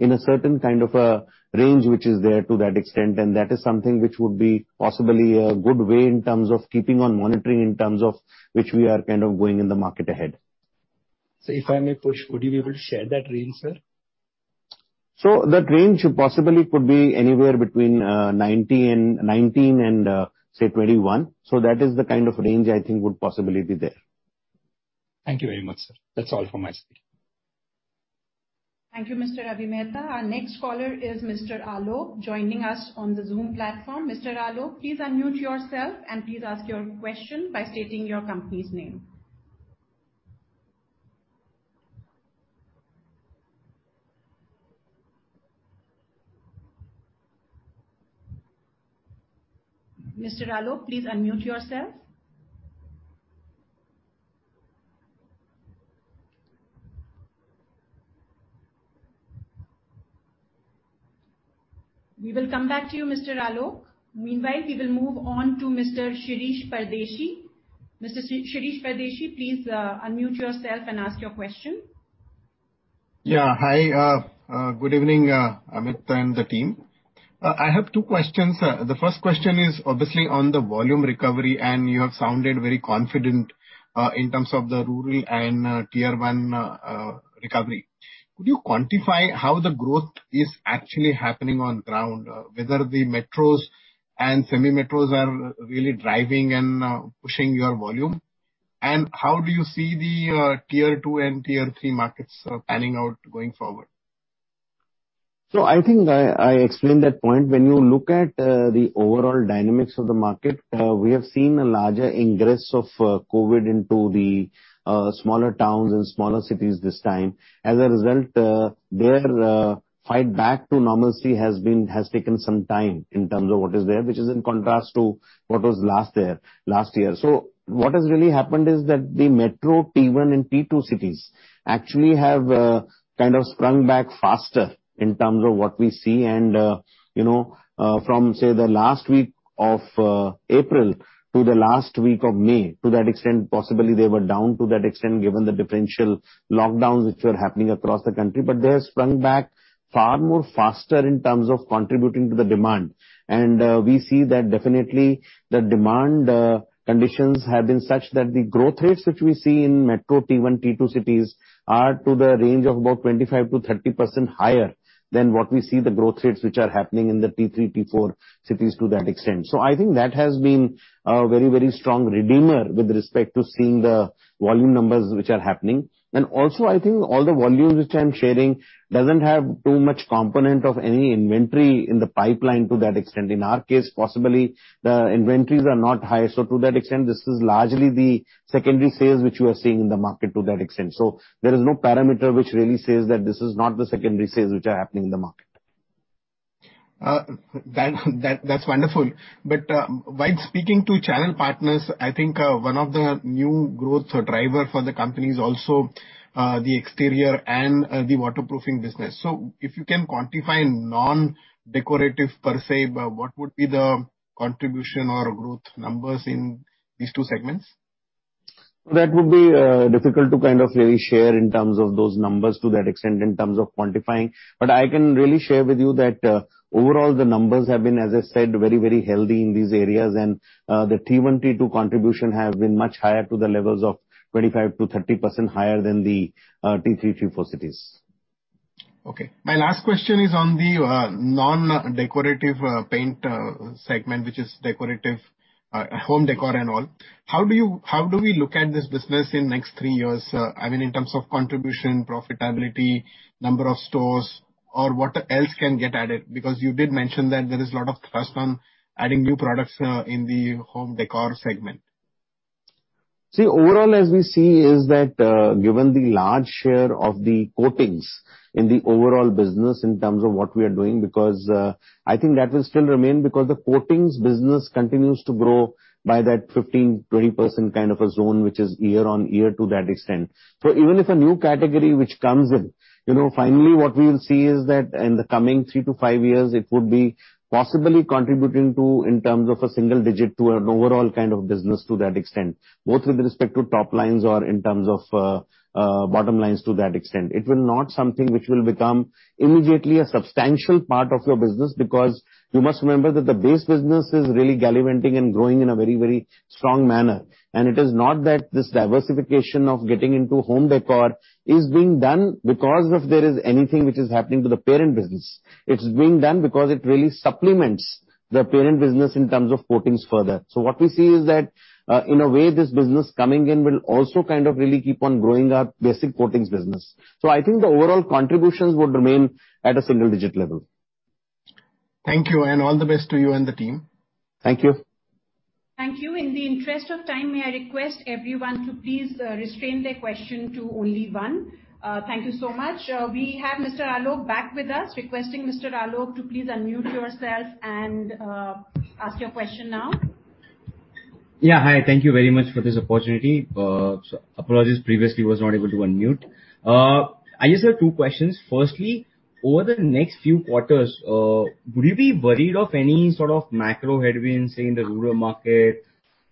in a certain kind of a range which is there to that extent, that is something which would be possibly a good way in terms of keeping on monitoring in terms of which we are going in the market ahead. Sir, if I may push, would you be able to share that range, sir? That range possibly could be anywhere between 19%-21%. That is the kind of range I think would possibly be there. Thank you very much, sir. That's all from my side. Thank you, Mr. Avi Mehta. Our next caller is Mr. Alok joining us on the Zoom platform. Mr. Alok, please unmute yourself and please ask your question by stating your company's name. Mr. Alok, please unmute yourself. We will come back to you, Mr. Alok. Meanwhile, we will move on to Mr. Shirish Pardeshi. Mr. Shirish Pardeshi, please unmute yourself and ask your question. Yeah. Hi, good evening, Amit and the team. I have two questions. The first question is obviously on the volume recovery. You have sounded very confident in terms of the rural and Tier 1 recovery. Could you quantify how the growth is actually happening on ground, whether the metros and semi-metros are really driving and pushing your volume? How do you see the Tier 2 and Tier 3 markets panning out going forward? I think I explained that point. When you look at the overall dynamics of the market, we have seen a larger ingress of COVID into the smaller towns and smaller cities this time. As a result, their fight back to normalcy has taken some time in terms of what is there, which is in contrast to what was last year. What has really happened is that the metro Tier 1 and Tier 2 cities actually have sprung back faster in terms of what we see. From, say, the last week of April to the last week of May, to that extent, possibly they were down to that extent, given the differential lockdowns which were happening across the country. They have sprung back far more faster in terms of contributing to the demand. We see that definitely the demand conditions have been such that the growth rates which we see in metro Tier 1, Tier 2 cities are to the range of about 25%-30% higher than what we see the growth rates which are happening in the Tier 3, Tier 4 cities to that extent. I think that has been a very strong redeemer with respect to seeing the volume numbers which are happening. Also, I think all the volumes which I'm sharing doesn't have too much component of any inventory in the pipeline to that extent. In our case, possibly, the inventories are not high. To that extent, this is largely the secondary sales which you are seeing in the market to that extent. There is no parameter which really says that this is not the secondary sales which are happening in the market. That's wonderful. While speaking to channel partners, I think one of the new growth driver for the company is also the exterior and the waterproofing business. If you can quantify non-decorative per se, what would be the contribution or growth numbers in these two segments? That would be difficult to really share in terms of those numbers to that extent in terms of quantifying. I can really share with you that overall the numbers have been, as I said, very healthy in these areas, and the Tier 1, Tier 2 contribution has been much higher to the levels of 25%-30% higher than the Tier 3, Tier 4 cities. Okay. My last question is on the non-decorative paint segment, which is decorative, home decor and all. How do we look at this business in next three years? I mean, in terms of contribution, profitability, number of stores, or what else can get added? You did mention that there is lot of thrust on adding new products in the home decor segment. Overall, as we see, is that, given the large share of the coatings in the overall business in terms of what we are doing, because I think that will still remain because the coatings business continues to grow by that 15%, 20% kind of a zone, which is year-on-year to that extent. Even if a new category which comes in, finally, what we will see is that in the coming three-five years, it would be possibly contributing to, in terms of a single-digit to an overall kind of business to that extent, both with respect to top lines or in terms of bottom lines to that extent. It will not something which will become immediately a substantial part of your business, because you must remember that the base business is really gallivanting and growing in a very strong manner. It is not that this diversification of getting into home décor is being done because of there is anything which is happening to the parent business. It's being done because it really supplements the parent business in terms of coatings further. What we see is that, in a way, this business coming in will also kind of really keep on growing our basic coatings business. I think the overall contributions would remain at a single-digit level. Thank you, and all the best to you and the team. Thank you. Thank you. In the interest of time, may I request everyone to please restrain their question to only 1. Thank you so much. We have Mr. Alok back with us, requesting Mr. Alok to please unmute yourself and ask your question now. Yeah. Hi. Thank you very much for this opportunity. Apologies, previously was not able to unmute. I just have two questions. Firstly, over the next few quarters, would you be worried of any sort of macro headwinds in the rural market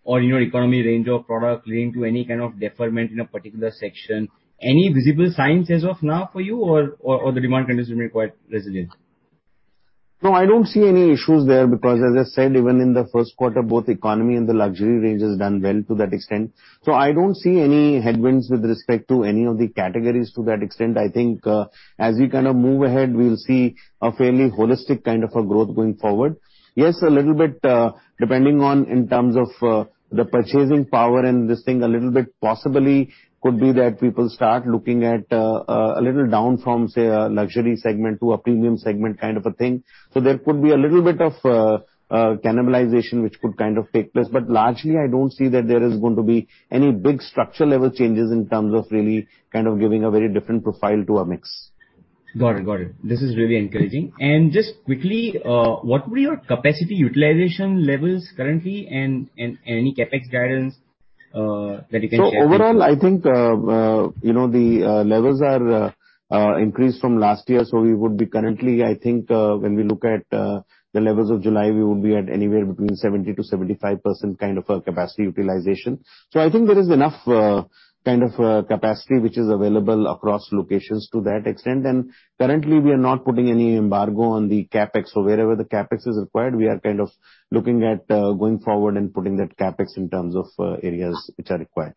or economy range of product leading to any kind of deferment in a particular section? Any visible signs as of now for you or the demand condition remain quite resilient? No, I don't see any issues there because as I said, even in the first quarter, both economy and the luxury range has done well to that extent. I don't see any headwinds with respect to any of the categories to that extent. I think as we move ahead, we'll see a fairly holistic kind of a growth going forward. Yes, a little bit, depending on in terms of the purchasing power and this thing a little bit possibly could be that people start looking at a little down from, say, a luxury segment to a premium segment kind of a thing. There could be a little bit of cannibalization, which could take place, but largely I don't see that there is going to be any big structure level changes in terms of really giving a very different profile to our mix. Got it. This is really encouraging. Just quickly, what were your capacity utilization levels currently and any CapEx guidance that you can share with us? Overall, I think the levels are increased from last year. We would be currently, I think when we look at the levels of July, we would be at anywhere between 70%-75% capacity utilization. I think there is enough capacity which is available across locations to that extent. Currently we are not putting any embargo on the CapEx. Wherever the CapEx is required, we are looking at going forward and putting that CapEx in terms of areas which are required.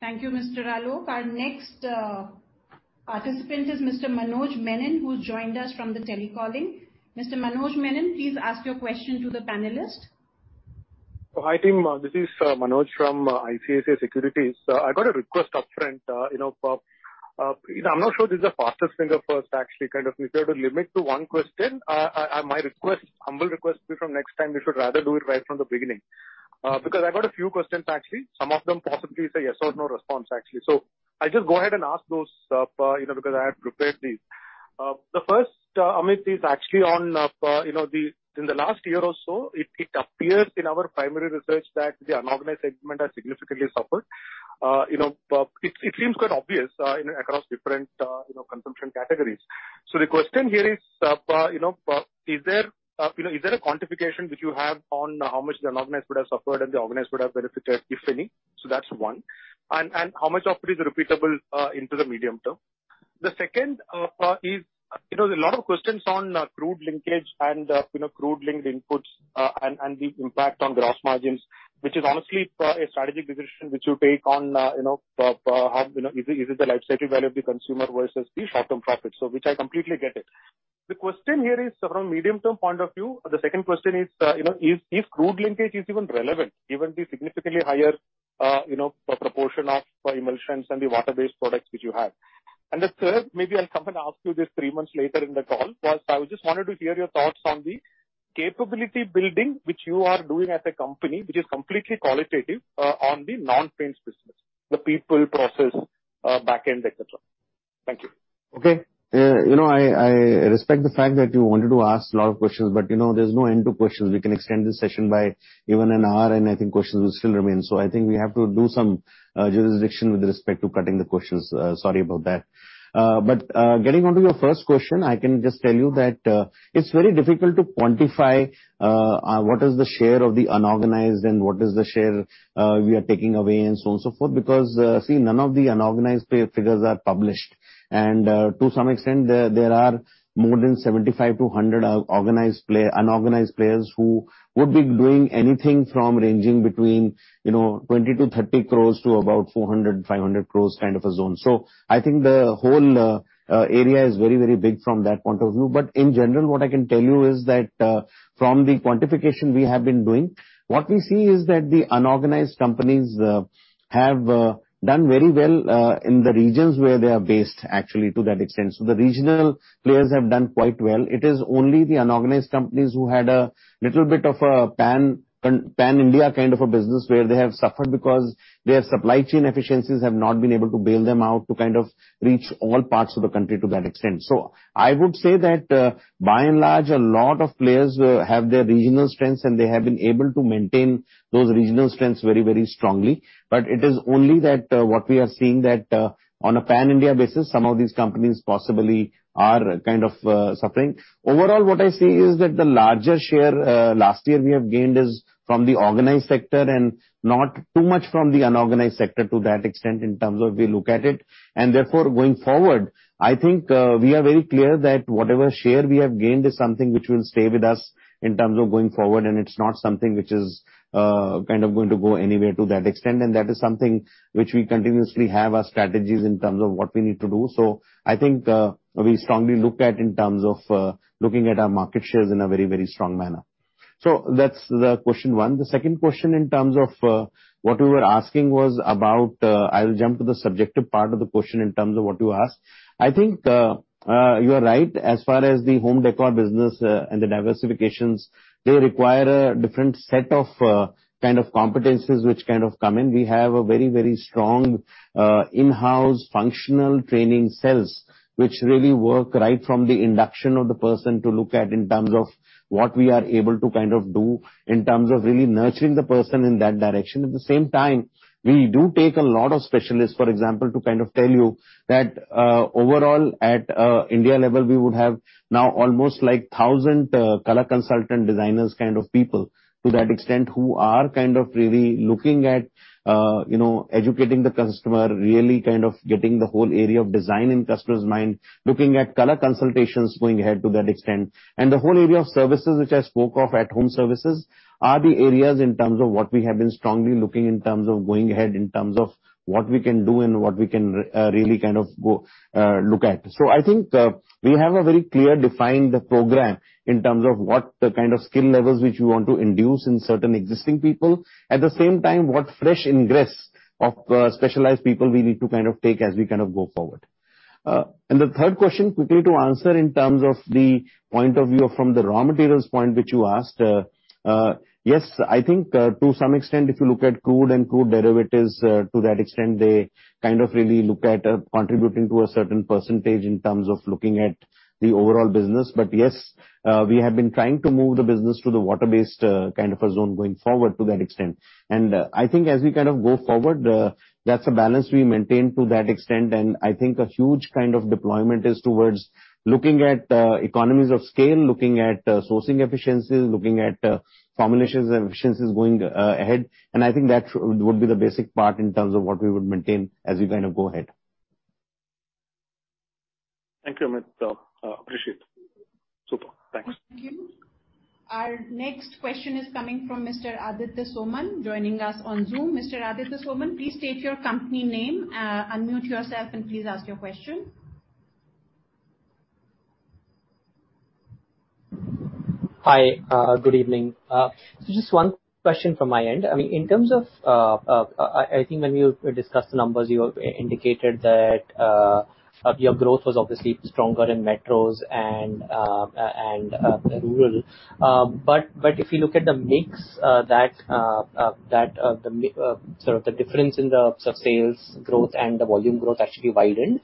Thank you, Mr. Alok. Our next participant is Mr. Manoj Menon, who's joined us from the telecalling. Mr. Manoj Menon, please ask your question to the panelist. Hi team, this is Manoj from ICICI Securities. I got a request upfront. I'm not sure this is the fastest finger first actually. If you have to limit to one question, my humble request is from next time, we should rather do it right from the beginning. Because I've got a few questions, actually. Some of them possibly is a yes or no response, actually. I'll just go ahead and ask those, because I have prepared these. The first, Amit, is actually on in the last year or so, it appears in our primary research that the unorganized segment has significantly suffered. It seems quite obvious across different consumption categories. The question here is there a quantification which you have on how much the unorganized would have suffered and the organized would have benefited, if any? That's 1. How much of it is repeatable into the medium-term? The second is, there are a lot of questions on crude linkage and crude linked inputs, and the impact on gross margins, which is honestly a strategic decision which you take on is it the lifecycle value of the consumer versus the short-term profits? Which I completely get it. The question here is from a medium-term point of view. The second question is crude linkage even relevant given the significantly higher proportion of emulsions and the water-based products which you have? The third, maybe I will come and ask you this three months later in the call, was I just wanted to hear your thoughts on the capability building which you are doing as a company, which is completely qualitative on the non-paints business, the people, process, back end, et cetera. Thank you. Okay. I respect the fact that you wanted to ask a lot of questions, there's no end to questions. We can extend this session by even an hour, I think questions will still remain. I think we have to do some jurisdiction with respect to cutting the questions. Sorry about that. Getting onto your first question, I can just tell you that it's very difficult to quantify what is the share of the unorganized and what is the share we are taking away and so on, so forth, because, see, none of the unorganized figures are published. To some extent, there are more than 75 to 100 unorganized players who would be doing anything from ranging between 20 crore-30 crore to about 400 crore-500 crore kind of a zone. I think the whole area is very big from that point of view. In general, what I can tell you is that from the quantification we have been doing, what we see is that the unorganized companies have done very well in the regions where they are based, actually, to that extent. The regional players have done quite well. It is only the unorganized companies who had a little bit of a pan-India kind of a business where they have suffered because their supply chain efficiencies have not been able to bail them out to reach all parts of the country to that extent. I would say that by and large, a lot of players have their regional strengths, and they have been able to maintain those regional strengths very strongly. It is only that what we are seeing that on a pan-India basis, some of these companies possibly are kind of suffering. Overall, what I see is that the larger share last year we have gained is from the organized sector and not too much from the unorganized sector to that extent in terms of we look at it. Therefore, going forward, I think we are very clear that whatever share we have gained is something which will stay with us in terms of going forward, and it's not something which is going to go anywhere to that extent, and that is something which we continuously have our strategies in terms of what we need to do. I think we strongly look at in terms of looking at our market shares in a very strong manner. That's the question 1. The second question in terms of what we were asking was about, I'll jump to the subjective part of the question in terms of what you asked. I think you are right as far as the home decor business and the diversifications. They require a different set of kind of competencies, which kind of come in. We have a very strong in-house functional training cells, which really work right from the induction of the person to look at in terms of what we are able to do in terms of really nurturing the person in that direction. At the same time, we do take a lot of specialists, for example, to kind of tell you that, overall at India level, we would have now almost 1,000 color consultant designers kind of people, to that extent, who are kind of really looking at educating the customer, really getting the whole area of design in customer's mind, looking at color consultations going ahead to that extent. The whole area of services which I spoke of at home services are the areas in terms of what we have been strongly looking in terms of going ahead, in terms of what we can do and what we can really look at. I think, we have a very clear defined program in terms of what the kind of skill levels which we want to induce in certain existing people. At the same time, what fresh ingress of specialized people we need to take as we go forward. The third question, quickly to answer in terms of the point of view from the raw materials point which you asked. I think, to some extent, if you look at crude and crude derivatives, to that extent, they kind of really look at contributing to a certain percentage in terms of looking at the overall business. Yes, we have been trying to move the business to the water-based kind of a zone going forward to that extent. I think as we go forward, that's a balance we maintain to that extent, and I think a huge kind of deployment is towards looking at economies of scale, looking at sourcing efficiencies, looking at formulations and efficiencies going ahead. I think that would be the basic part in terms of what we would maintain as we go ahead. Thank you Amit. Appreciate it. Super. Thanks. Thank you. Our next question is coming from Mr. Aditya Soman, joining us on Zoom. Mr. Aditya Soman, please state your company name, unmute yourself, and please ask your question. Hi. Good evening. Just one question from my end. I think when you discussed the numbers, you indicated that your growth was obviously stronger in metros and rural. If you look at the mix, the difference in the sales growth and the volume growth actually widened.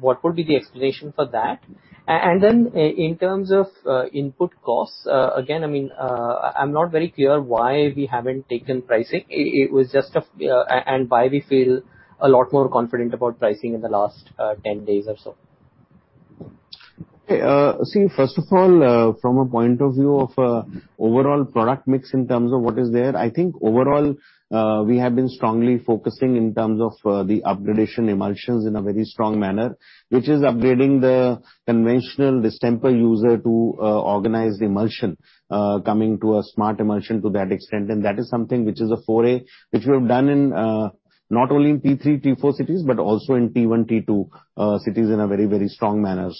What would be the explanation for that? In terms of input costs, again, I'm not very clear why we haven't taken pricing. Why we feel a lot more confident about pricing in the last 10 days or so. First of all, from a point of view of overall product mix in terms of what is there, I think overall, we have been strongly focusing in terms of the upgradation emulsions in a very strong manner. Which is upgrading the conventional distemper user to organized emulsion, coming to a smart emulsion to that extent, and that is something which is a foray, which we have done not only in T3, T4 cities, but also in T1, T2 cities in a very strong manner.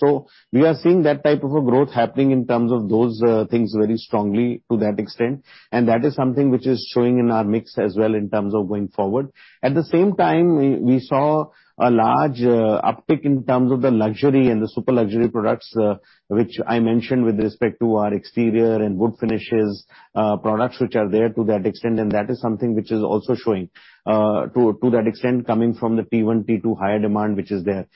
We are seeing that type of a growth happening in terms of those things very strongly to that extent, and that is something which is showing in our mix as well in terms of going forward. At the same time, we saw a large uptick in terms of the luxury and the super luxury products, which I mentioned with respect to our exterior and wood finishes products, which are there to that extent, and that is something which is also showing to that extent, coming from the T1, T2 higher demand which is there.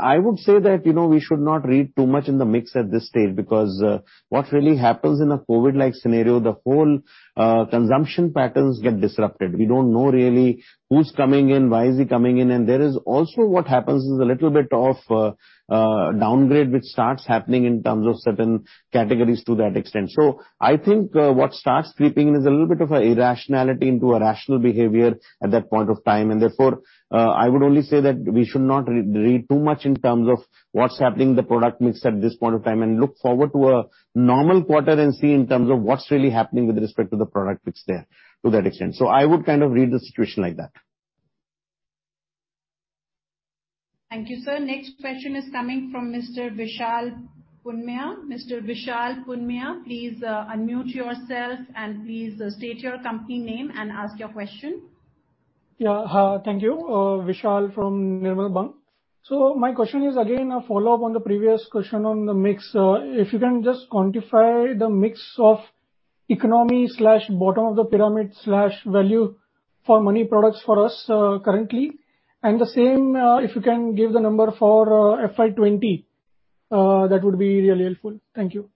I would say that we should not read too much in the mix at this stage, because what really happens in a COVID-like scenario, the whole consumption patterns get disrupted. We don't know really who's coming in, why is he coming in, and there is also what happens is a little bit of downgrade, which starts happening in terms of certain categories to that extent. I think what starts creeping in is a little bit of a irrationality into a rational behavior at that point of time. Therefore, I would only say that we should not read too much in terms of what's happening in the product mix at this point of time, and look forward to a normal quarter and see in terms of what's really happening with respect to the product mix there to that extent. I would kind of read the situation like that. Thank you, sir. Next question is coming from Mr. Vishal Punmiya. Mr. Vishal Punmiya, please unmute yourself, and please state your company name and ask your question. Thank you. Vishal from Nirmal Bang. My question is again, a follow-up on the previous question on the mix. If you can just quantify the mix of economy slash bottom of the pyramid slash value for money products for us currently. The same, if you can give the number for FY 2020, that would be really helpful. Thank you.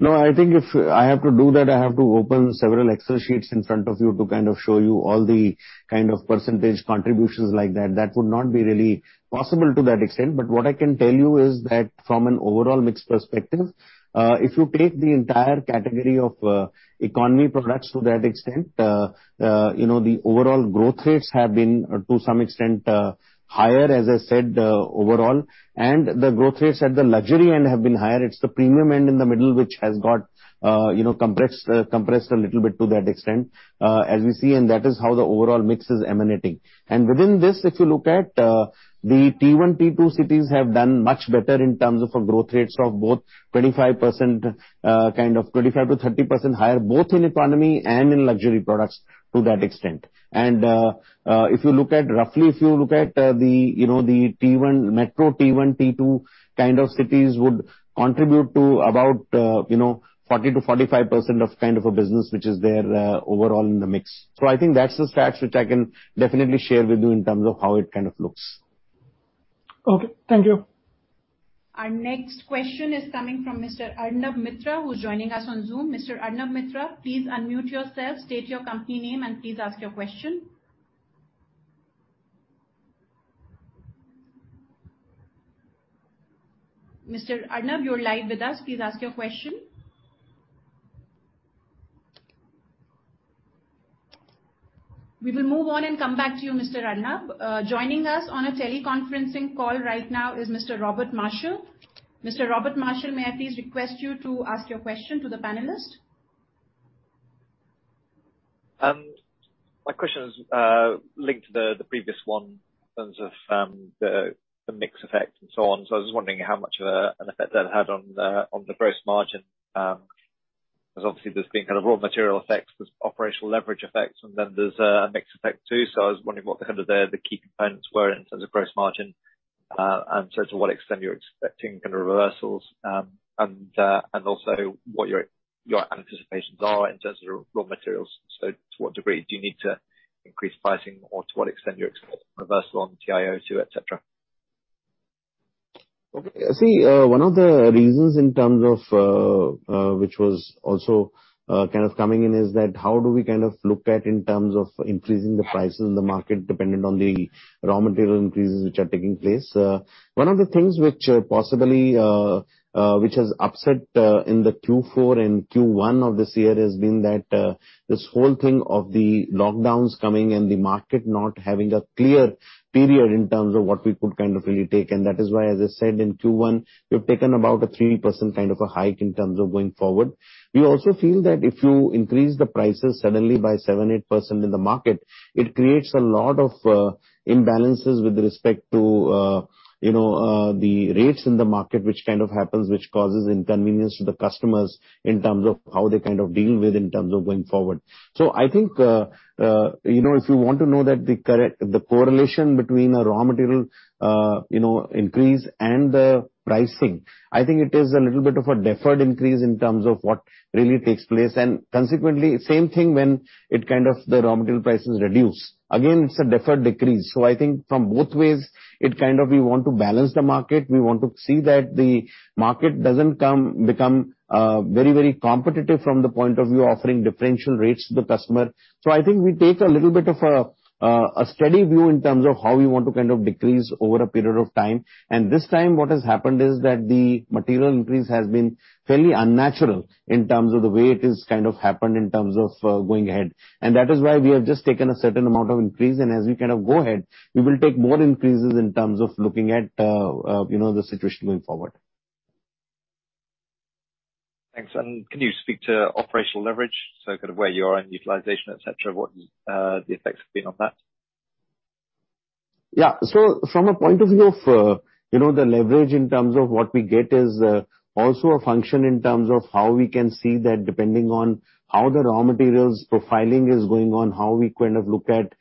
No, I think if I have to do that, I have to open several Excel sheets in front of you to kind of show you all the kind of % contributions like that. That would not be really possible to that extent. What I can tell you is that from an overall mix perspective, if you take the entire category of economy products to that extent, the overall growth rates have been, to some extent, higher, as I said, overall. The growth rates at the luxury end have been higher. It's the premium end in the middle, which has got compressed a little bit to that extent, as we see, and that is how the overall mix is emanating. Within this, if you look at the T1, T2 cities have done much better in terms of a growth rates of both 25%-30% higher, both in economy and in luxury products to that extent. Roughly if you look at the metro T1, T2 kind of cities would contribute to about 40%-45% of business which is there overall in the mix. I think that's the stats which I can definitely share with you in terms of how it kind of looks. Okay. Thank you. Our next question is coming from Mr. Arnav Mitra, who is joining us on Zoom. Mr. Arnav Mitra, please unmute yourself, state your company name, and please ask your question. Mr. Arnav, you are live with us. Please ask your question. We will move on and come back to you, Mr. Arnav. Joining us on a teleconferencing call right now is Mr. Robert Marshall. Mr. Robert Marshall, may I please request you to ask your question to the panelist? My question is linked to the previous one in terms of the mix effect and so on. I was just wondering how much of an effect that had on the gross margin. Obviously there's been kind of raw material effects, there's operational leverage effects, and then there's a mix effect too. I was wondering what the key components were in terms of gross margin and sort of to what extent you're expecting kind of reversals, and also what your anticipations are in terms of raw materials. To what degree do you need to increase pricing or to what extent you're expecting reversal on TiO2, et cetera? Okay. See, one of the reasons in terms of which was also kind of coming in is that how do we look at in terms of increasing the prices in the market dependent on the raw material increases which are taking place. One of the things which has upset in the Q4 and Q1 of this year has been that this whole thing of the lockdowns coming and the market not having a clear period in terms of what we could really take, and that is why, as I said in Q1, we've taken about a 3% kind of a hike in terms of going forward. We also feel that if you increase the prices suddenly by 7%-8% in the market, it creates a lot of imbalances with respect to the rates in the market which kind of happens which causes inconvenience to the customers in terms of how they deal with going forward. I think if you want to know that the correlation between a raw material increase and the pricing, I think it is a little bit of a deferred increase in terms of what really takes place. Consequently, same thing when the raw material prices reduce. Again, it's a deferred decrease. I think from both ways, we want to balance the market. We want to see that the market doesn't become very competitive from the point of view offering differential rates to the customer. I think we take a little bit of a steady view in terms of how we want to decrease over a period of time. This time what has happened is that the material increase has been fairly unnatural in terms of the way it has happened in terms of going ahead. That is why we have just taken a certain amount of increase, and as we go ahead, we will take more increases in terms of looking at the situation going forward. Thanks. Can you speak to operational leverage, kind of where you are in utilization, et cetera, what the effects have been on that? Yeah. From a point of view of the leverage in terms of what we get is also a function in terms of how we can see that depending on how the raw materials profiling is going on, how we look at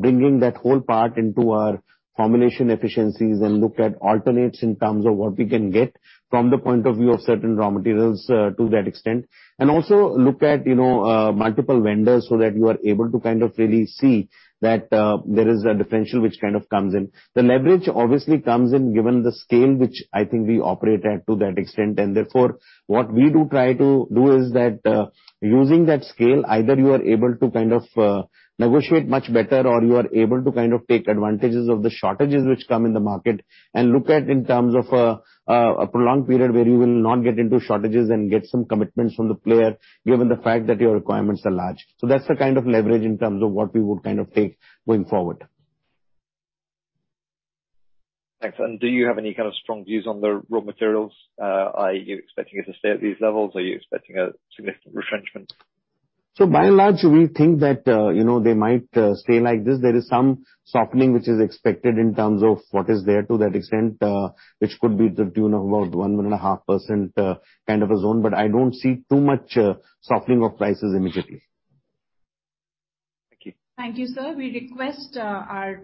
bringing that whole part into our formulation efficiencies and look at alternates in terms of what we can get from the point of view of certain raw materials to that extent. Also look at multiple vendors so that you are able to kind of really see that there is a differential which kind of comes in. The leverage obviously comes in given the scale which I think we operate at to that extent. Therefore, what we do try to do is that using that scale, either you are able to negotiate much better or you are able to take advantages of the shortages which come in the market and look at in terms of a prolonged period where you will not get into shortages and get some commitments from the player given the fact that your requirements are large. That's the kind of leverage in terms of what we would take going forward. Thanks. Do you have any kind of strong views on the raw materials? Are you expecting it to stay at these levels? Are you expecting a significant retrenchment? By and large, we think that they might stay like this. There is some softening which is expected in terms of what is there to that extent, which could be the tune of about 1.5% kind of a zone, but I don't see too much softening of prices immediately. Thank you. Thank you, sir. We request our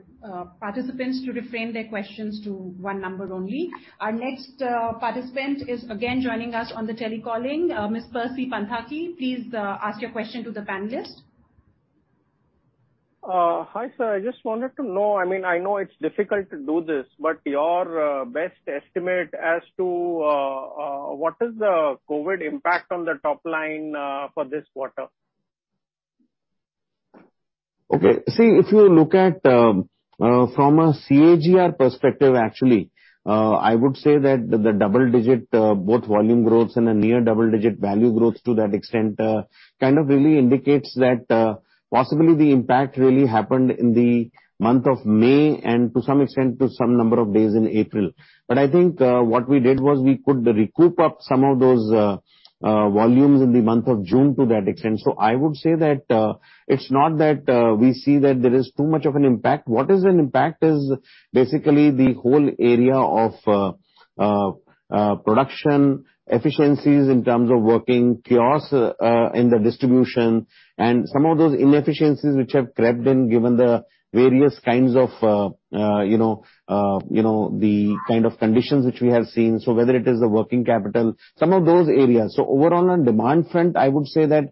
participants to refrain their questions to one number only. Our next participant is again joining us on the telecalling. Ms. Percy Panthaki, please ask your question to the panelist. Hi, sir. I just wanted to know, I mean, I know it's difficult to do this, but your best estimate as to what is the COVID impact on the top line for this quarter? If you look at from a compound annual growth rate perspective actually, I would say that the double-digit both volume growth and a near double-digit value growth to that extent kind of really indicates that possibly the impact really happened in the month of May and to some extent to some number of days in April. I think what we did was we could recoup up some of those volumes in the month of June to that extent. I would say that it's not that we see that there is too much of an impact. What is an impact is basically the whole area of production efficiencies in terms of working kiosks in the distribution and some of those inefficiencies which have crept in given the various kinds of the kind of conditions which we have seen. Whether it is the working capital, some of those areas. Overall on demand front, I would say that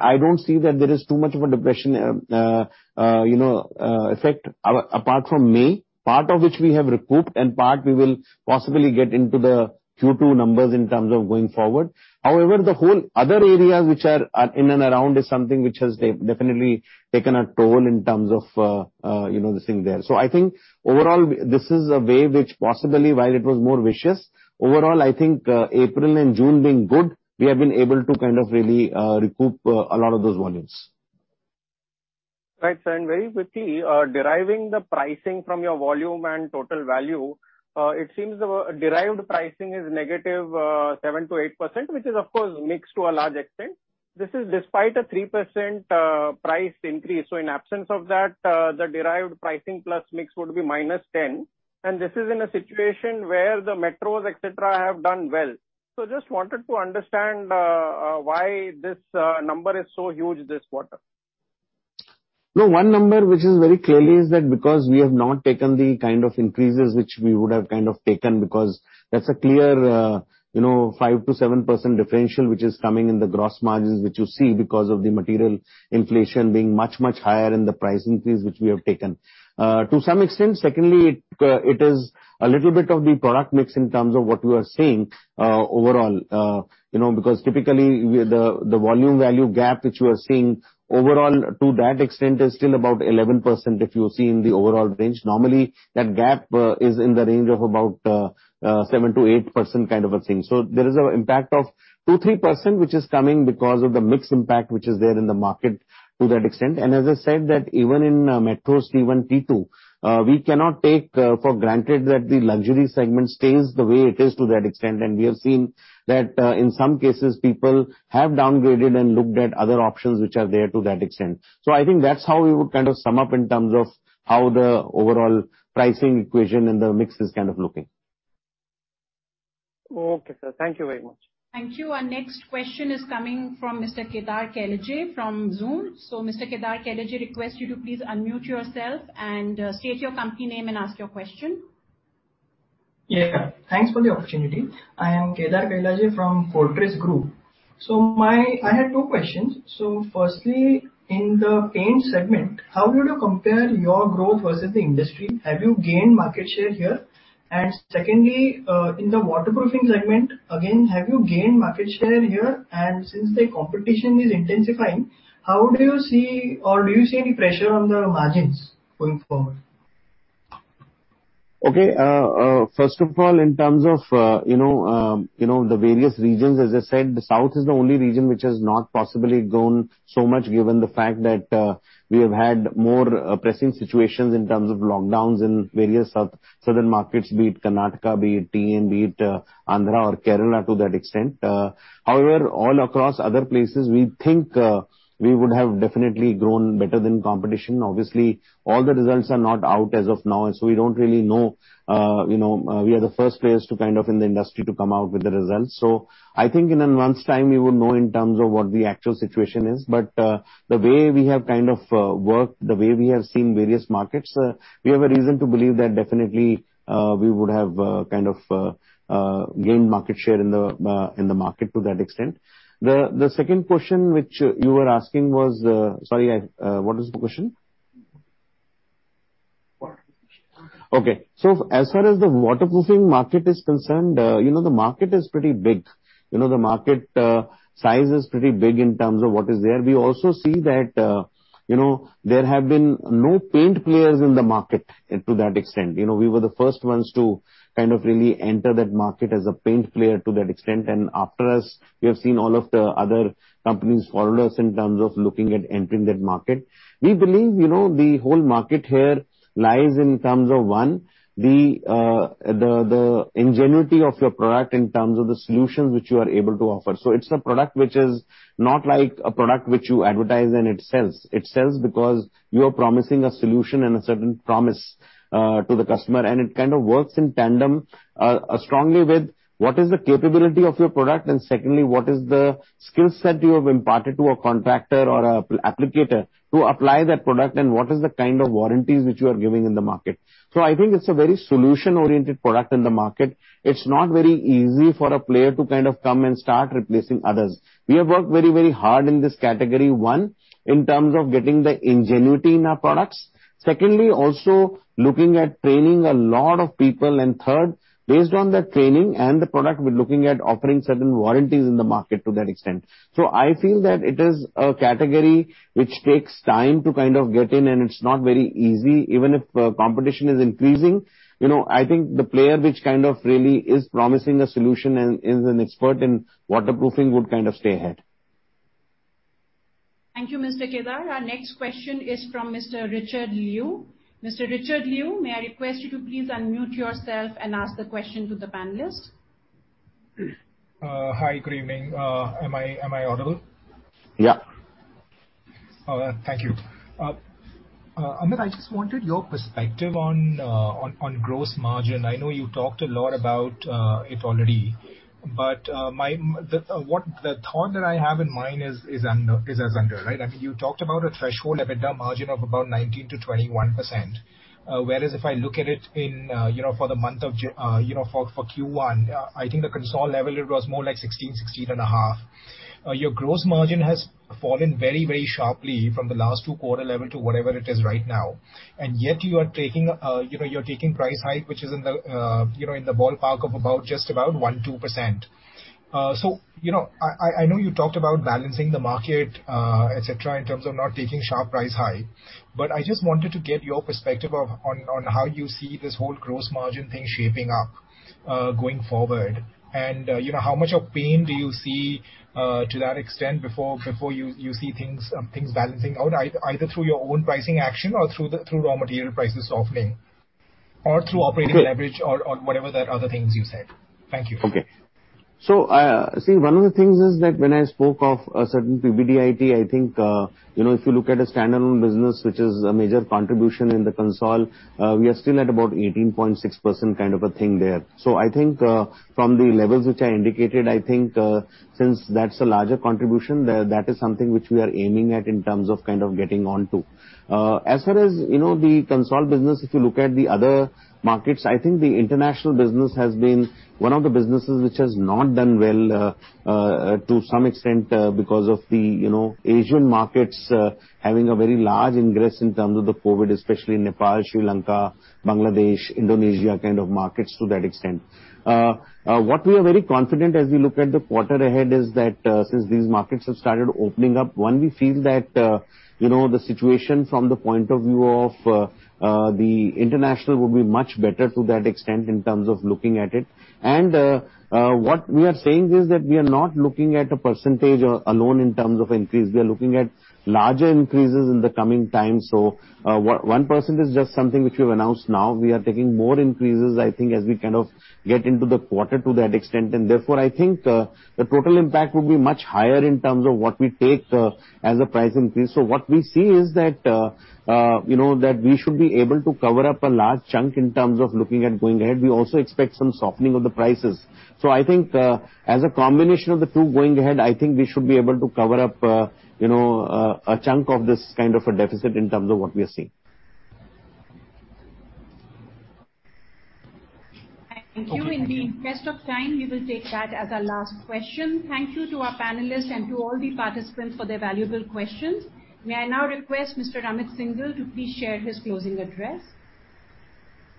I don't see that there is too much of a depression effect apart from May, part of which we have recouped and part we will possibly get into the Q2 numbers in terms of going forward. However, the whole other areas which are in and around is something which has definitely taken a toll in terms of this thing there. I think overall, this is a wave which possibly while it was more vicious, overall, I think April and June being good, we have been able to kind of really recoup a lot of those volumes. Right, sir. Very quickly, deriving the pricing from your volume and total value, it seems the derived pricing is negative 7% to 8%, which is of course mixed to a large extent. This is despite a 3% price increase. In absence of that, the derived pricing plus mix would be -10%. This is in a situation where the metros, et cetera have done well. Just wanted to understand why this number is so huge this quarter. No, one number which is very clear is that because we have not taken the kind of increases which we would have taken, because that's a clear 5%-7% differential, which is coming in the gross margins which you see because of the material inflation being much, much higher in the price increase, which we have taken. To some extent, secondly, it is a little bit of the product mix in terms of what we are seeing overall. Typically, the volume value gap which we are seeing overall to that extent is still about 11%, if you see in the overall range. Normally, that gap is in the range of about 7%-8% kind of a thing. There is an impact of 2%-3%, which is coming because of the mix impact which is there in the market to that extent. As I said that even in metro T1, T2, we cannot take for granted that the luxury segment stays the way it is to that extent. We have seen that in some cases, people have downgraded and looked at other options which are there to that extent. I think that's how we would kind of sum up in terms of how the overall pricing equation and the mix is kind of looking. Okay, sir. Thank you very much. Thank you. Our next question is coming from Mr. Kedar Kailaje from Zoom. Mr. Kedar Kailaje, I request you to please unmute yourself and state your company name, and ask your question. Yeah. Thanks for the opportunity. I am Kedar Kailaje from Fortress Group. I have two questions. Firstly, in the paint segment, how would you compare your growth versus the industry? Have you gained market share here? Secondly, in the waterproofing segment, again, have you gained market share here? Since the competition is intensifying, how do you see or do you see any pressure on the margins going forward? Okay. First of all, in terms of the various regions, as I said, the south is the only region which has not possibly grown so much, given the fact that we have had more pressing situations in terms of lockdowns in various southern markets, be it Karnataka, be it TN, be it Andhra or Kerala to that extent. All across other places, we think we would have definitely grown better than competition. Obviously, all the results are not out as of now, we don't really know. We are the first players kind of in the industry to come out with the results. I think in a month's time, we would know in terms of what the actual situation is. The way we have kind of worked, the way we have seen various markets, we have a reason to believe that definitely, we would have kind of gained market share in the market to that extent. The second question, which you were asking was Sorry, what was the question? Waterproofing. Okay. As far as the waterproofing market is concerned, the market is pretty big. The market size is pretty big in terms of what is there. We also see that there have been no paint players in the market to that extent. We were the first ones to kind of really enter that market as a paint player to that extent, and after us, we have seen all of the other companies follow us in terms of looking at entering that market. We believe the whole market here lies in terms of, one, the ingenuity of your product in terms of the solutions which you are able to offer. It's a product which is not like a product which you advertise and it sells. It sells because you are promising a solution and a certain promise to the customer, and it kind of works in tandem strongly with what is the capability of your product, and secondly, what is the skill set you have imparted to a contractor or an applicator to apply that product, and what is the kind of warranties which you are giving in the market. I think it's a very solution-oriented product in the market. It's not very easy for a player to kind of come and start replacing others. We have worked very, very hard in this category, 1, in terms of getting the ingenuity in our products. Secondly, also looking at training a lot of people, and third, based on that training and the product, we're looking at offering certain warranties in the market to that extent. I feel that it is a category which takes time to kind of get in, and it's not very easy. Even if competition is increasing, I think the player which kind of really is promising a solution and is an expert in waterproofing would kind of stay ahead. Thank you, Mr. Kedar. Our next question is from Mr. Richard Liu. Mr. Richard Liu, may I request you to please unmute yourself and ask the question to the panelist. Hi. Good evening. Am I audible? Yeah. All right. Thank you. Amit, I just wanted your perspective on gross margin. I know you talked a lot about it already, but the thought that I have in mind is as under, right? I mean, you talked about a threshold EBITDA margin of about 19%-21%. Whereas if I look at it for Q1, I think the consol level, it was more like 16%, 16.5%. Your gross margin has fallen very, very sharply from the last two quarter level to whatever it is right now. Yet you're taking price hike, which is in the ballpark of just about 1%, 2%. I know you talked about balancing the market, et cetera, in terms of not taking sharp price hike, but I just wanted to get your perspective on how you see this whole gross margin thing shaping up going forward. How much of pain do you see to that extent before you see things balancing out, either through your own pricing action or through raw material prices softening? Or through operating leverage or whatever the other things you said. Thank you. Okay. One of the things is that when I spoke of a certain PBDIT, I think if you look at a standalone business, which is a major contribution in the consol, we are still at about 18.6% kind of a thing there. I think from the levels which I indicated, I think since that's a larger contribution there, that is something which we are aiming at in terms of getting on to. The consol business, if you look at the other markets, I think the international business has been one of the businesses which has not done well to some extent because of the Asian markets having a very large ingress in terms of the COVID, especially Nepal, Sri Lanka, Bangladesh, Indonesia kind of markets to that extent. What we are very confident as we look at the quarter ahead is that since these markets have started opening up, 1, we feel that the situation from the point of view of the international will be much better to that extent in terms of looking at it. What we are saying is that we are not looking at a % alone in terms of increase. We are looking at larger increases in the coming time. 1% is just something which we've announced now. We are taking more increases, I think, as we get into the quarter to that extent, and therefore, I think the total impact will be much higher in terms of what we take as a price increase. What we see is that we should be able to cover up a large chunk in terms of looking at going ahead. We also expect some softening of the prices. I think as a combination of the two going ahead, I think we should be able to cover up a chunk of this kind of a deficit in terms of what we are seeing. Thank you. In the best of time, we will take that as our last question. Thank you to our panelists and to all the participants for their valuable questions. May I now request Mr. Amit Syngle to please share his closing address.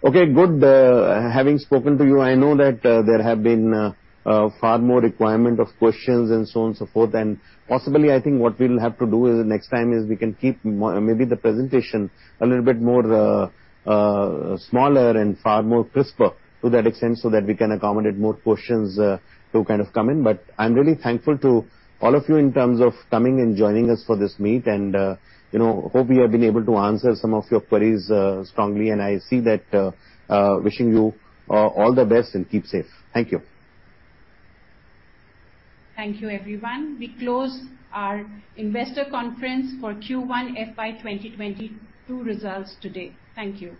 Okay, good. Having spoken to you, I know that there have been far more requirement of questions and so on and so forth. Possibly, I think what we'll have to do is next time is we can keep maybe the presentation a little bit more smaller and far more crisper to that extent, so that we can accommodate more questions to kind of come in. I'm really thankful to all of you in terms of coming and joining us for this meet and hope we have been able to answer some of your queries strongly. I see that wishing you all the best and keep safe. Thank you. Thank you everyone. We close our investor conference for Q1 FY 2022 results today. Thank you.